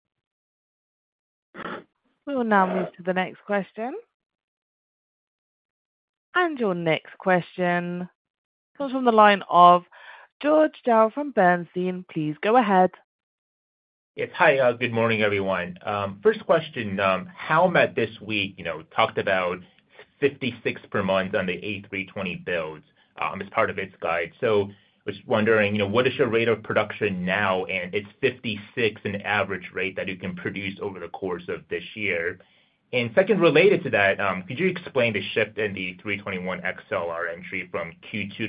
We will now move to the next question. Your next question comes from the line of George Zhao from Bernstein. Please go ahead. Yes. Hi. Good morning, everyone. First question: How might this week, you know, talked about 56 per month on the A320 builds, as part of its guide? So I was wondering, you know, what is your rate of production now, and is 56 an average rate that you can produce over the course of this year. And second, related to that, could you explain the shift in the A321XLR entry from Q2 to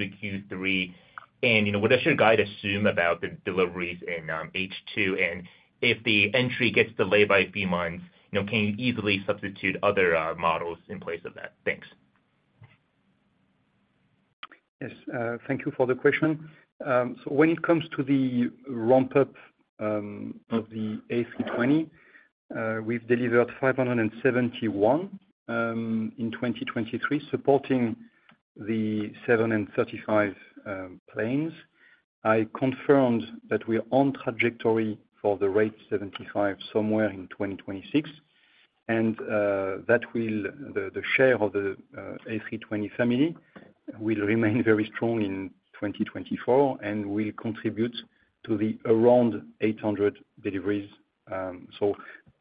Q3? And, you know, what does your guide assume about the deliveries in, H2? And if the entry gets delayed by a few months, you know, can you easily substitute other models in place of that? Thanks.... Yes, thank you for the question. So when it comes to the ramp up of the A320, we've delivered 571 in 2023, supporting the 735 planes. I confirmed that we are on trajectory for the rate 75 somewhere in 2026, and that the share of the A320 family will remain very strong in 2024 and will contribute to around 800 deliveries. So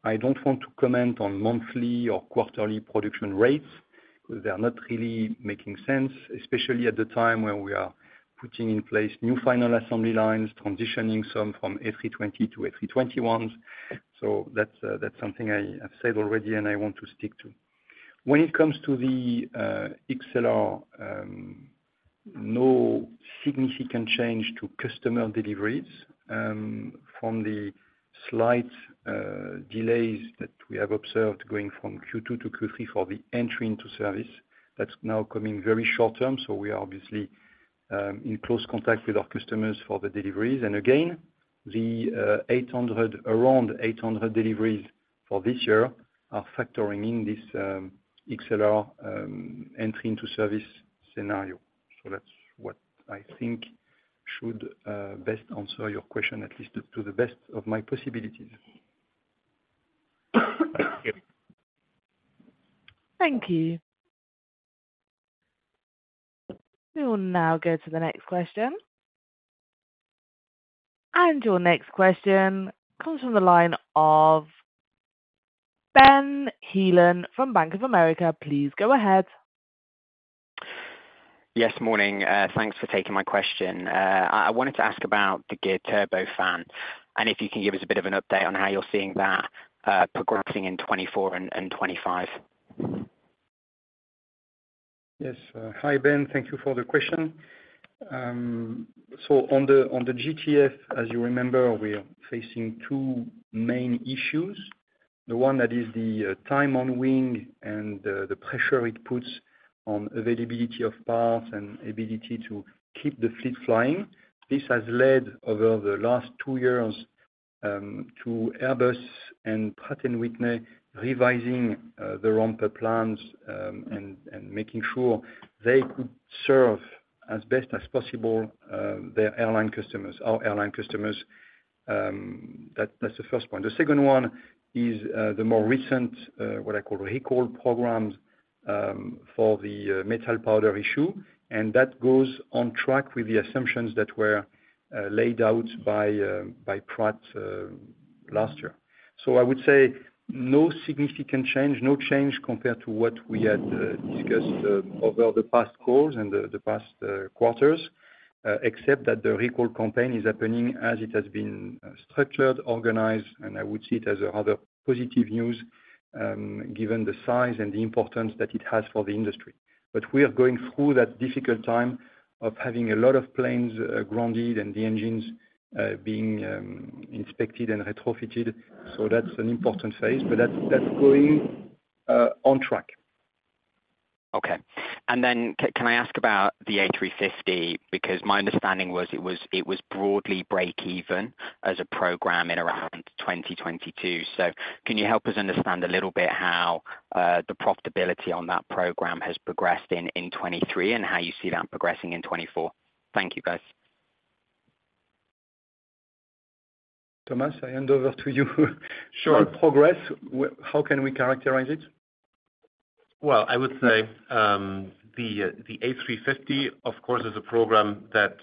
I don't want to comment on monthly or quarterly production rates, because they are not really making sense, especially at the time when we are putting in place new final assembly lines, transitioning some from A320 to A321s. So that's something I have said already, and I want to stick to. When it comes to the XLR, no significant change to customer deliveries from the slight delays that we have observed going from Q2 to Q3 for the entry into service. That's now coming very short term, so we are obviously in close contact with our customers for the deliveries. And again, the 800, around 800 deliveries for this year are factoring in this XLR entry into service scenario. So that's what I think should best answer your question, at least to the best of my possibilities. Thank you. Thank you. We will now go to the next question. Your next question comes from the line of Benjamin Heelan from Bank of America. Please go ahead. Yes, morning. Thanks for taking my question. I wanted to ask about the Geared Turbofan, and if you can give us a bit of an update on how you're seeing that progressing in 2024 and 2025. Yes. Hi, Ben. Thank you for the question. So on the GTF, as you remember, we are facing two main issues. The one that is the time on wing and the pressure it puts on availability of parts and ability to keep the fleet flying. This has led over the last two years to Airbus and Pratt & Whitney revising the ramp up plans, and making sure they could serve as best as possible their airline customers, our airline customers. That, that's the first point. The second one is the more recent what I call recall programs for the metal powder issue, and that goes on track with the assumptions that were laid out by Pratt last year. So I would say no significant change, no change compared to what we had discussed over the past calls and the past quarters, except that the recall campaign is happening as it has been structured, organized, and I would see it as a rather positive news, given the size and the importance that it has for the industry. But we are going through that difficult time of having a lot of planes grounded and the engines being inspected and retrofitted. So that's an important phase, but that's going on track. Okay. Then can I ask about the A350? Because my understanding was it was, it was broadly breakeven as a program in around 2022. So can you help us understand a little bit how the profitability on that program has progressed in, in 2023, and how you see that progressing in 2024? Thank you, guys. Thomas, I hand over to you. Sure. Progress, how can we characterize it? Well, I would say, the A350, of course, is a program that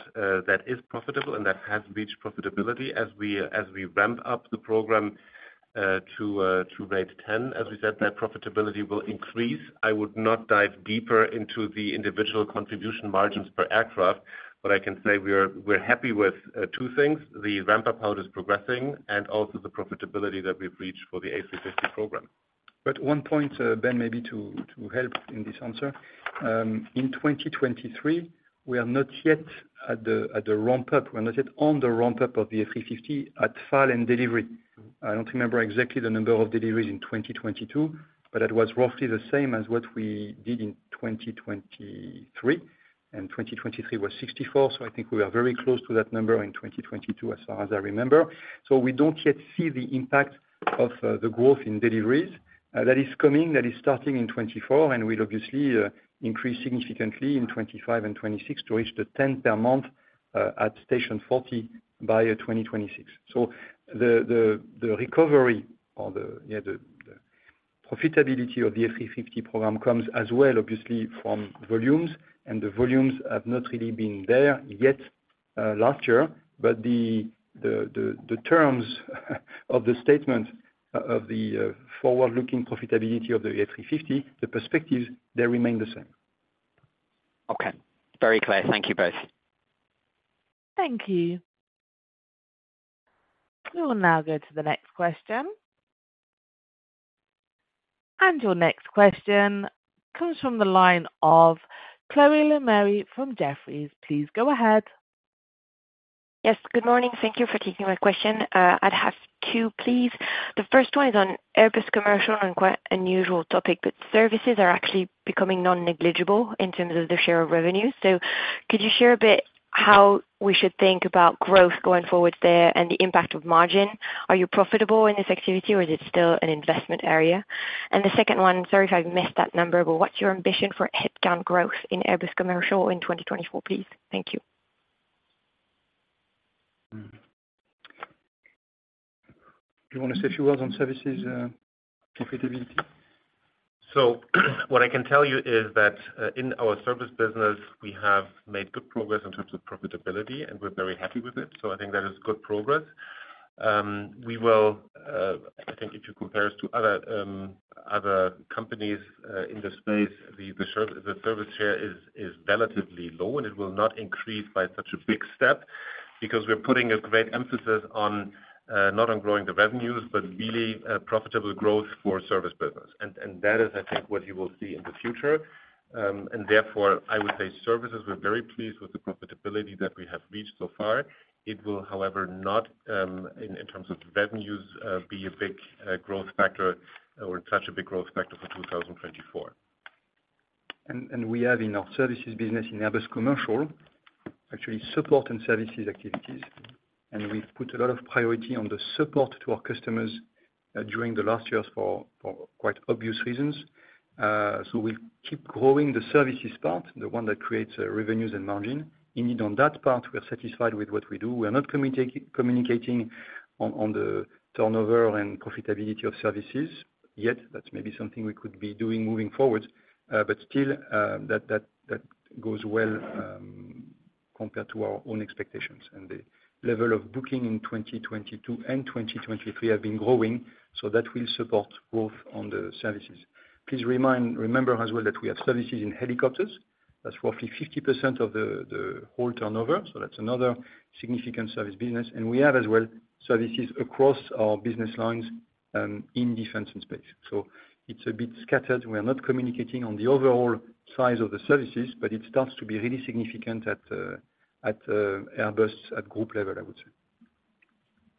is profitable and that has reached profitability. As we ramp up the program to rate 10, as we said, that profitability will increase. I would not dive deeper into the individual contribution margins per aircraft, but I can say we're happy with two things: the ramp up how it is progressing, and also the profitability that we've reached for the A350 program. But one point, Ben, maybe to help in this answer. In 2023, we are not yet at the ramp up. We're not yet on the ramp up of the A350 at final and delivery. I don't remember exactly the number of deliveries in 2022, but it was roughly the same as what we did in 2023, and 2023 was 64. So I think we are very close to that number in 2022, as far as I remember. So we don't yet see the impact of the growth in deliveries. That is coming, that is starting in 2024, and will obviously increase significantly in 2025 and 2026, to reach 10 per month at station 40 by 2026. recovery or the, yeah, the terms of the statement of the forward-looking profitability of the A350 program comes as well, obviously, from volumes, and the volumes have not really been there yet last year. But the terms of the statement of the forward-looking profitability of the A350, the perspectives, they remain the same. Okay. Very clear. Thank you both. Thank you. We will now go to the next question. Your next question comes from the line of Chloe Lemarie from Jefferies. Please go ahead. ... Yes, good morning. Thank you for taking my question. I'd have two, please. The first one is on Airbus Commercial, and quite unusual topic, but services are actually becoming non-negligible in terms of the share of revenue. So could you share a bit how we should think about growth going forward there, and the impact of margin? Are you profitable in this activity, or is it still an investment area? And the second one, sorry if I've missed that number, but what's your ambition for headcount growth in Airbus Commercial in 2024, please? Thank you. Do you want to say a few words on services, profitability? So what I can tell you is that, in our service business, we have made good progress in terms of profitability, and we're very happy with it. So I think that is good progress. We will, I think if you compare us to other companies, in the space, the service share is relatively low, and it will not increase by such a big step. Because we're putting a great emphasis on, not on growing the revenues, but really, profitable growth for service business. And that is, I think, what you will see in the future. And therefore, I would say services, we're very pleased with the profitability that we have reached so far. It will, however, not in terms of the revenues be a big growth factor or such a big growth factor for 2024. And we have in our services business, in Airbus commercial, actually support and services activities. And we've put a lot of priority on the support to our customers during the last years for quite obvious reasons. So we keep growing the services part, the one that creates revenues and margin. Indeed, on that part, we are satisfied with what we do. We are not communicating on the turnover and profitability of services yet. That's maybe something we could be doing moving forward, but still, that goes well compared to our own expectations. And the level of booking in 2022 and 2023 have been growing, so that will support growth on the services. Please remember as well that we have services in helicopters. That's roughly 50% of the whole turnover, so that's another significant service business. And we have as well services across our business lines in Defense and Space. So it's a bit scattered. We are not communicating on the overall size of the services, but it starts to be really significant at Airbus at group level, I would say.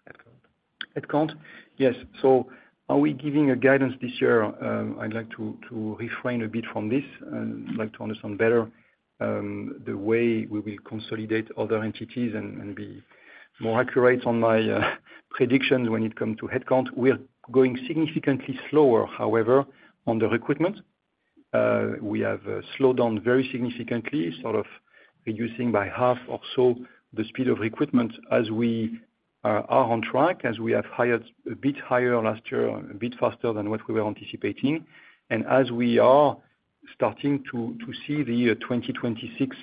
Headcount. Headcount, yes. So are we giving a guidance this year? I'd like to refrain a bit from this, and I'd like to understand better the way we will consolidate other entities and be more accurate on my predictions when it come to headcount. We are growing significantly slower, however, on the recruitment. We have slowed down very significantly, sort of reducing by half or so the speed of recruitment as we are on track, as we have hired a bit higher last year, a bit faster than what we were anticipating. And as we are starting to see the year 2026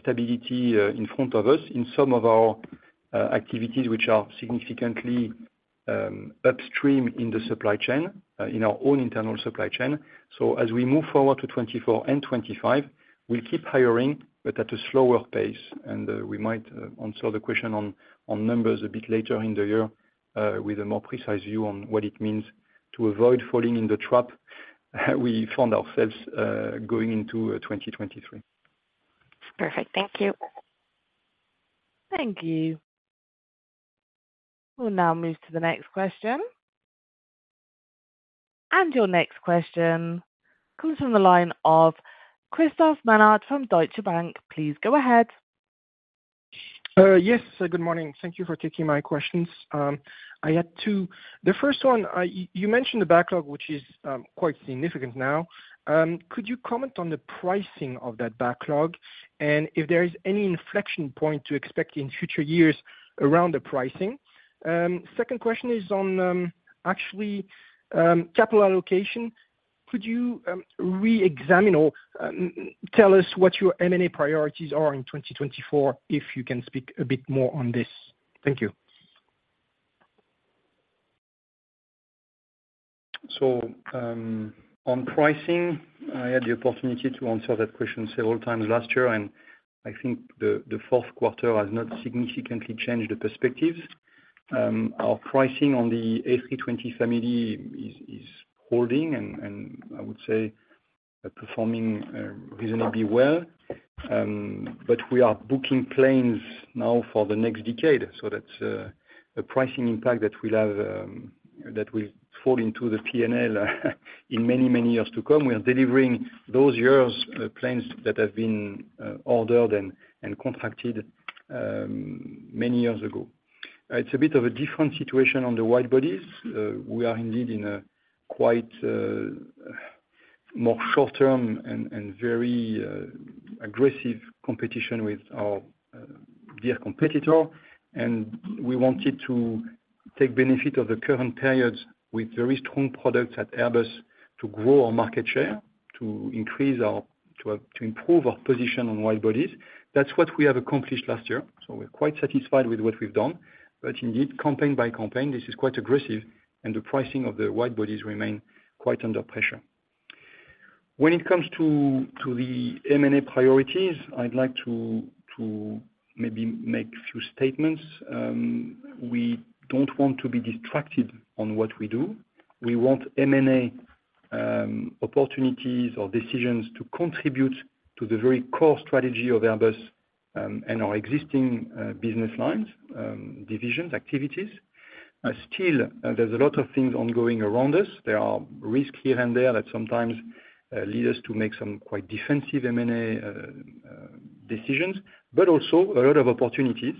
stability in front of us in some of our activities, which are significantly upstream in the supply chain in our own internal supply chain. So as we move forward to 2024 and 2025, we'll keep hiring, but at a slower pace, and we might answer the question on numbers a bit later in the year, with a more precise view on what it means to avoid falling in the trap we found ourselves going into 2023. Perfect. Thank you. Thank you. We'll now move to the next question. Your next question comes from the line of Christophe Menard from Deutsche Bank. Please go ahead. Yes, good morning. Thank you for taking my questions. I had two. The first one, you mentioned the backlog, which is quite significant now. Could you comment on the pricing of that backlog, and if there is any inflection point to expect in future years around the pricing? Second question is on actually, capital allocation. Could you re-examine or tell us what your M&A priorities are in 2024, if you can speak a bit more on this? Thank you. So, on pricing, I had the opportunity to answer that question several times last year, and I think the fourth quarter has not significantly changed the perspectives. Our pricing on the A320 family is holding and I would say performing reasonably well. But we are booking planes now for the next decade, so that's a pricing impact that will have that will fall into the PNL in many years to come. We are delivering those years' planes that have been ordered and contracted many years ago. It's a bit of a different situation on the wide-bodies. We are indeed in a quite more short-term and very aggressive competition with our dear competitor. We wanted to take benefit of the current periods with very strong products at Airbus to grow our market share, to improve our position on wide-bodies. That's what we have accomplished last year, so we're quite satisfied with what we've done. But indeed, campaign by campaign, this is quite aggressive, and the pricing of the wide-bodies remain quite under pressure. When it comes to the M&A priorities, I'd like to maybe make few statements. We don't want to be distracted on what we do. We want M&A opportunities or decisions to contribute to the very core strategy of Airbus, and our existing business lines, divisions, activities. Still, there's a lot of things ongoing around us. There are risks here and there that sometimes lead us to make some quite defensive M&A decisions, but also a lot of opportunities.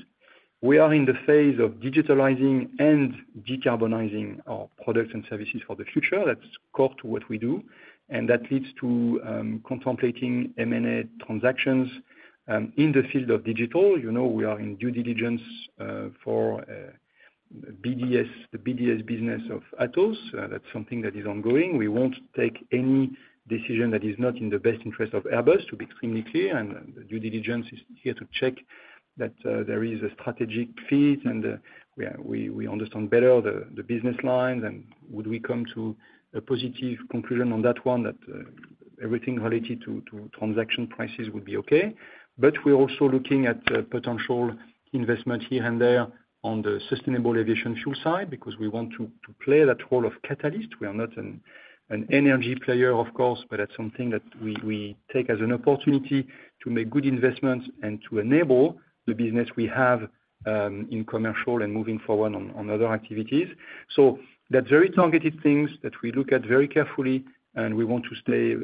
We are in the phase of digitalizing and decarbonizing our products and services for the future. That's core to what we do, and that leads to contemplating M&A transactions in the field of digital. You know, we are in due diligence for BDS, the BDS business of Atos. That's something that is ongoing. We won't take any decision that is not in the best interest of Airbus, to be extremely clear, and the due diligence is here to check that there is a strategic fit, and we understand better the business lines, and would we come to a positive conclusion on that one, that everything related to transaction prices would be okay. But we're also looking at potential investment here and there on the sustainable aviation fuel side, because we want to play that role of catalyst. We are not an energy player, of course, but that's something that we take as an opportunity to make good investments and to enable the business we have in commercial and moving forward on other activities. So that's very targeted things that we look at very carefully, and we want to stay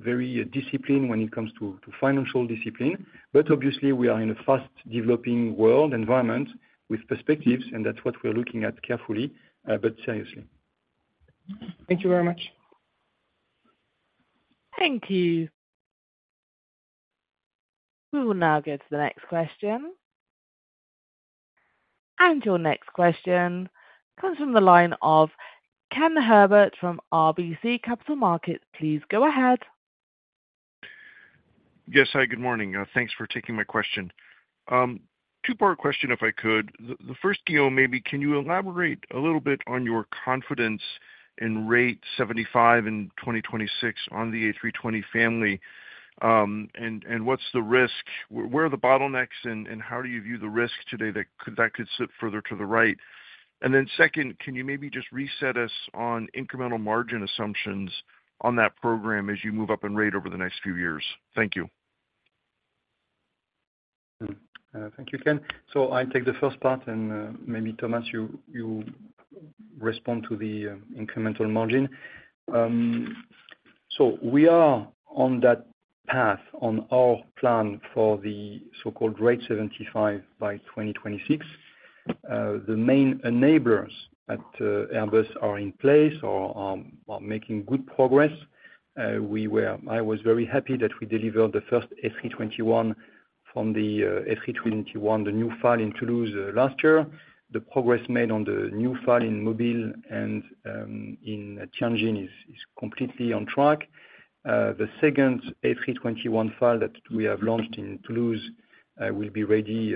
very disciplined when it comes to financial discipline. But obviously, we are in a fast-developing world environment with perspectives, and that's what we're looking at carefully, but seriously. Thank you very much. Thank you. We will now go to the next question. Your next question comes from the line of Ken Herbert from RBC Capital Markets. Please go ahead. Yes, hi, good morning. Thanks for taking my question. Two-part question, if I could. The first, Guillaume, maybe can you elaborate a little bit on your confidence in rate 75 in 2026 on the A320 family? And what's the risk—where are the bottlenecks, and how do you view the risk today that could sit further to the right? And then second, can you maybe just reset us on incremental margin assumptions on that program as you move up in rate over the next few years? Thank you. Thank you, Ken. So I take the first part, and maybe Thomas, you respond to the incremental margin. So we are on that path, on our plan for the so-called Rate 75 by 2026. The main enablers at Airbus are in place or are making good progress. I was very happy that we delivered the first A321 from the A321, the new line in Toulouse, last year. The progress made on the new line in Mobile and in Tianjin is completely on track. The second A321 line that we have launched in Toulouse will be ready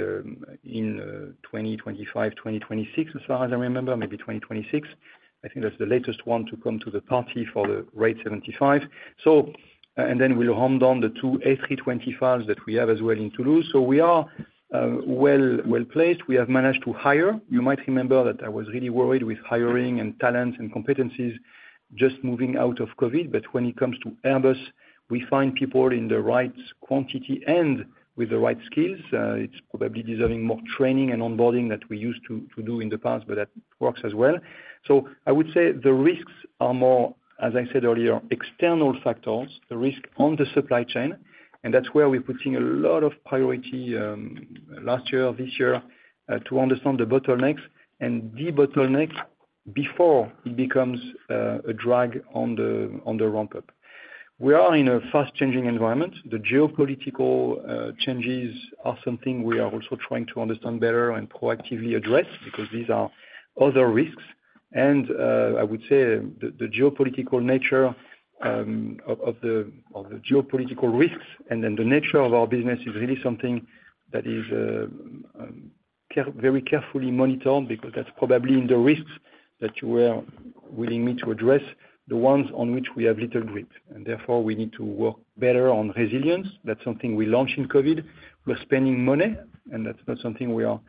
in 2025, 2026, as far as I remember, maybe 2026. I think that's the latest one to come to the party for the Rate 75. So, and then we'll hand down the 2 A320 final assembly lines that we have as well in Toulouse. So we are well-placed. We have managed to hire. You might remember that I was really worried with hiring and talent and competencies just moving out of COVID, but when it comes to Airbus, we find people in the right quantity and with the right skills. It's probably deserving more training and onboarding than we used to do in the past, but that works as well. So I would say the risks are more, as I said earlier, external factors, the risk on the supply chain, and that's where we're putting a lot of priority, last year, this year, to understand the bottlenecks and the bottlenecks before it becomes a drag on the, on the ramp-up. We are in a fast-changing environment. The geopolitical changes are something we are also trying to understand better and proactively address, because these are other risks. I would say the geopolitical nature of the geopolitical risks, and then the nature of our business is really something that is very carefully monitored, because that's probably in the risks that you were willing me to address, the ones on which we have little grip, and therefore we need to work better on resilience. That's something we launched in COVID. We're spending money, and that's not something we are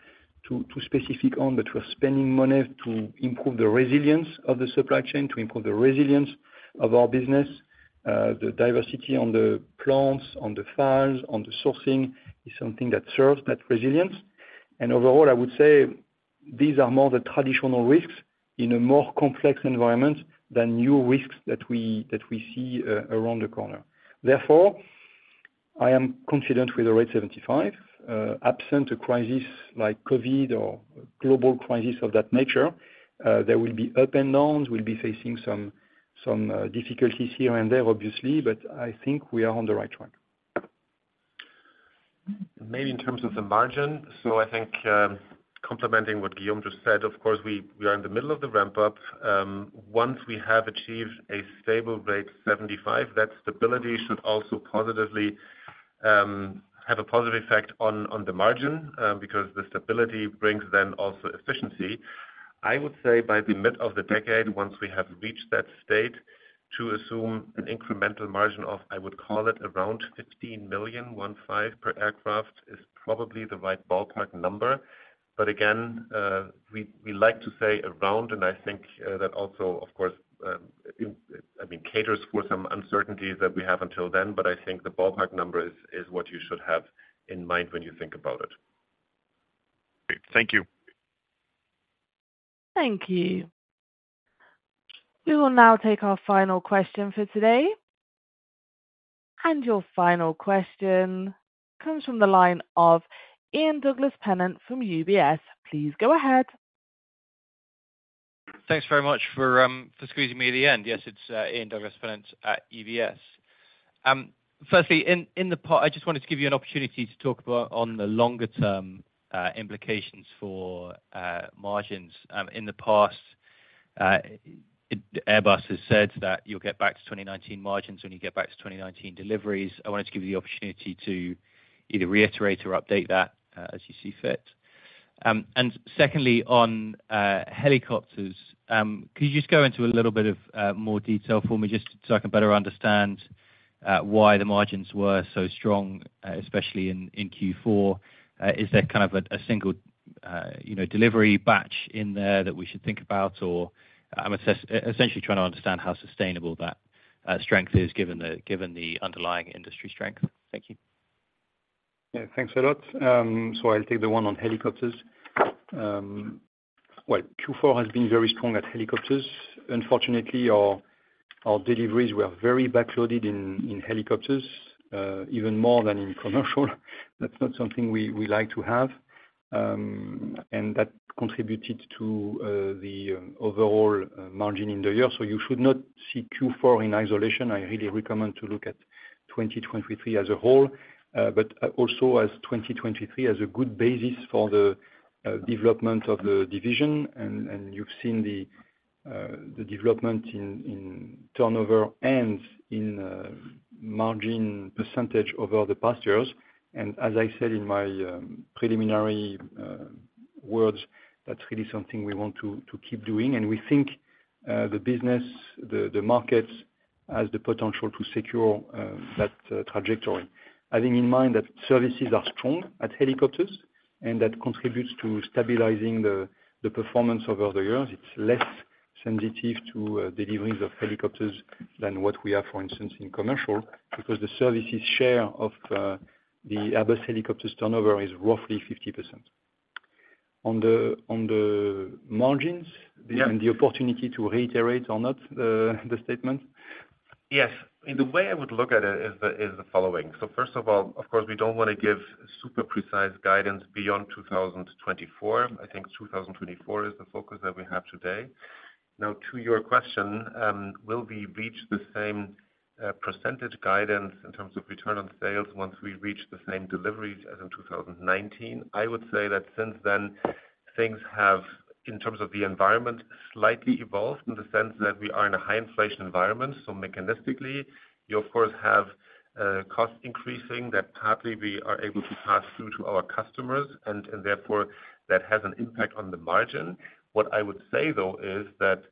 too specific on, but we're spending money to improve the resilience of the supply chain, to improve the resilience of our business. The diversity on the plants, on the files, on the sourcing, is something that serves that resilience. And overall, I would say these are more the traditional risks in a more complex environment than new risks that we, that we see around the corner. Therefore, I am confident with the rate 75. Absent a crisis like COVID or global crisis of that nature, there will be up and downs. We'll be facing some, some difficulties here and there, obviously, but I think we are on the right track. Maybe in terms of the margin, so I think, complementing what Guillaume just said, of course, we, we are in the middle of the ramp-up. Once we have achieved a stable Rate 75, that stability should also positively, have a positive effect on, on the margin, because the stability brings then also efficiency. I would say by the mid of the decade, once we have reached that state, to assume an incremental margin of, I would call it, around 15 million, one five, per aircraft is probably the right ballpark number. But again, we, we like to say around, and I think, that also, of course, I mean, caters for some uncertainties that we have until then. But I think the ballpark number is, is what you should have in mind when you think about it. Great. Thank you. Thank you. We will now take our final question for today. Your final question comes from the line of Ian Douglas-Pennant from UBS. Please go ahead. Thanks very much for squeezing me at the end. Yes, it's Ian Douglas-Pennant at UBS. Firstly, in the part, I just wanted to give you an opportunity to talk about on the longer-term implications for margins. In the past, Airbus has said that you'll get back to 2019 margins when you get back to 2019 deliveries. I wanted to give you the opportunity to either reiterate or update that, as you see fit. And secondly, on helicopters, could you just go into a little bit of more detail for me, just so I can better understand why the margins were so strong, especially in Q4? Is there kind of a single, you know, delivery batch in there that we should think about? I'm assessing essentially trying to understand how sustainable that strength is, given the underlying industry strength. Thank you. Yeah, thanks a lot. So I'll take the one on helicopters. Well, Q4 has been very strong at helicopters. Unfortunately, our deliveries were very backloaded in helicopters, even more than in commercial. That's not something we like to have. And that contributed to the overall margin in the year. So you should not see Q4 in isolation. I really recommend to look at 2023 as a whole, but also as 2023 as a good basis for the development of the division. And you've seen the development in turnover and in margin percentage over the past years. And as I said in my preliminary words, that's really something we want to keep doing. We think the business, the markets, has the potential to secure that trajectory. Having in mind that services are strong at helicopters, and that contributes to stabilizing the performance over the years. It's less sensitive to deliveries of helicopters than what we have, for instance, in commercial, because the services share of the Airbus Helicopters turnover is roughly 50%. On the margins- Yeah. The opportunity to reiterate or not, the statement? Yes. And the way I would look at it is the following: so first of all, of course, we don't wanna give super precise guidance beyond 2024. I think 2024 is the focus that we have today. Now, to your question, will we reach the same percentage guidance in terms of return on sales once we reach the same deliveries as in 2019? I would say that since then, things have, in terms of the environment, slightly evolved in the sense that we are in a high inflation environment. So mechanistically, you of course have cost increasing that partly we are able to pass through to our customers, and therefore, that has an impact on the margin. What I would say, though, is that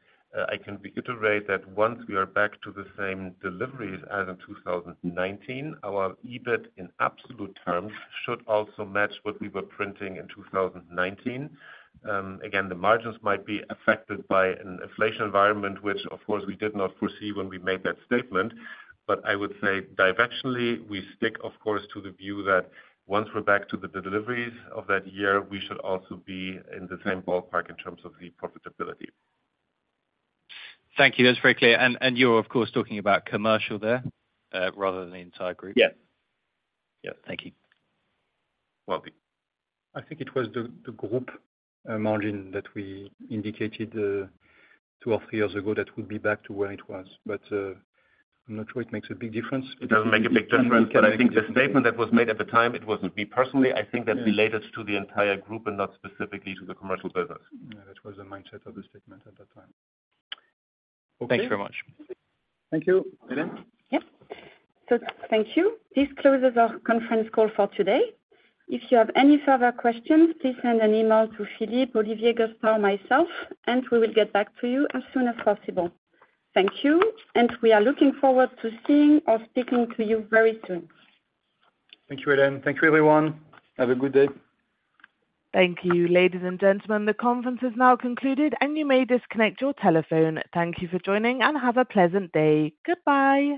I can reiterate that once we are back to the same deliveries as in 2019, our EBIT in absolute terms should also match what we were printing in 2019. Again, the margins might be affected by an inflation environment, which of course we did not foresee when we made that statement. But I would say directionally, we stick, of course, to the view that once we're back to the deliveries of that year, we should also be in the same ballpark in terms of the profitability. Thank you. That's very clear. And you're of course talking about commercial there, rather than the entire group? Yeah. Yeah. Thank you. Welcome. I think it was the group margin that we indicated two or three years ago, that would be back to where it was. But, I'm not sure it makes a big difference. It doesn't make a big difference. But I think the statement that was made at the time, it wasn't me personally, I think that related to the entire group and not specifically to the commercial business. Yeah, that was the mindset of the statement at that time. Thanks very much. Thank you. Hélène? Yep. So thank you. This closes our conference call for today. If you have any further questions, please send an email to Philippe, Olivier, Gaspard, or myself, and we will get back to you as soon as possible. Thank you, and we are looking forward to seeing or speaking to you very soon. Thank you, Hélène. Thank you, everyone. Have a good day! Thank you, ladies and gentlemen. The conference is now concluded, and you may disconnect your telephone. Thank you for joining, and have a pleasant day. Goodbye.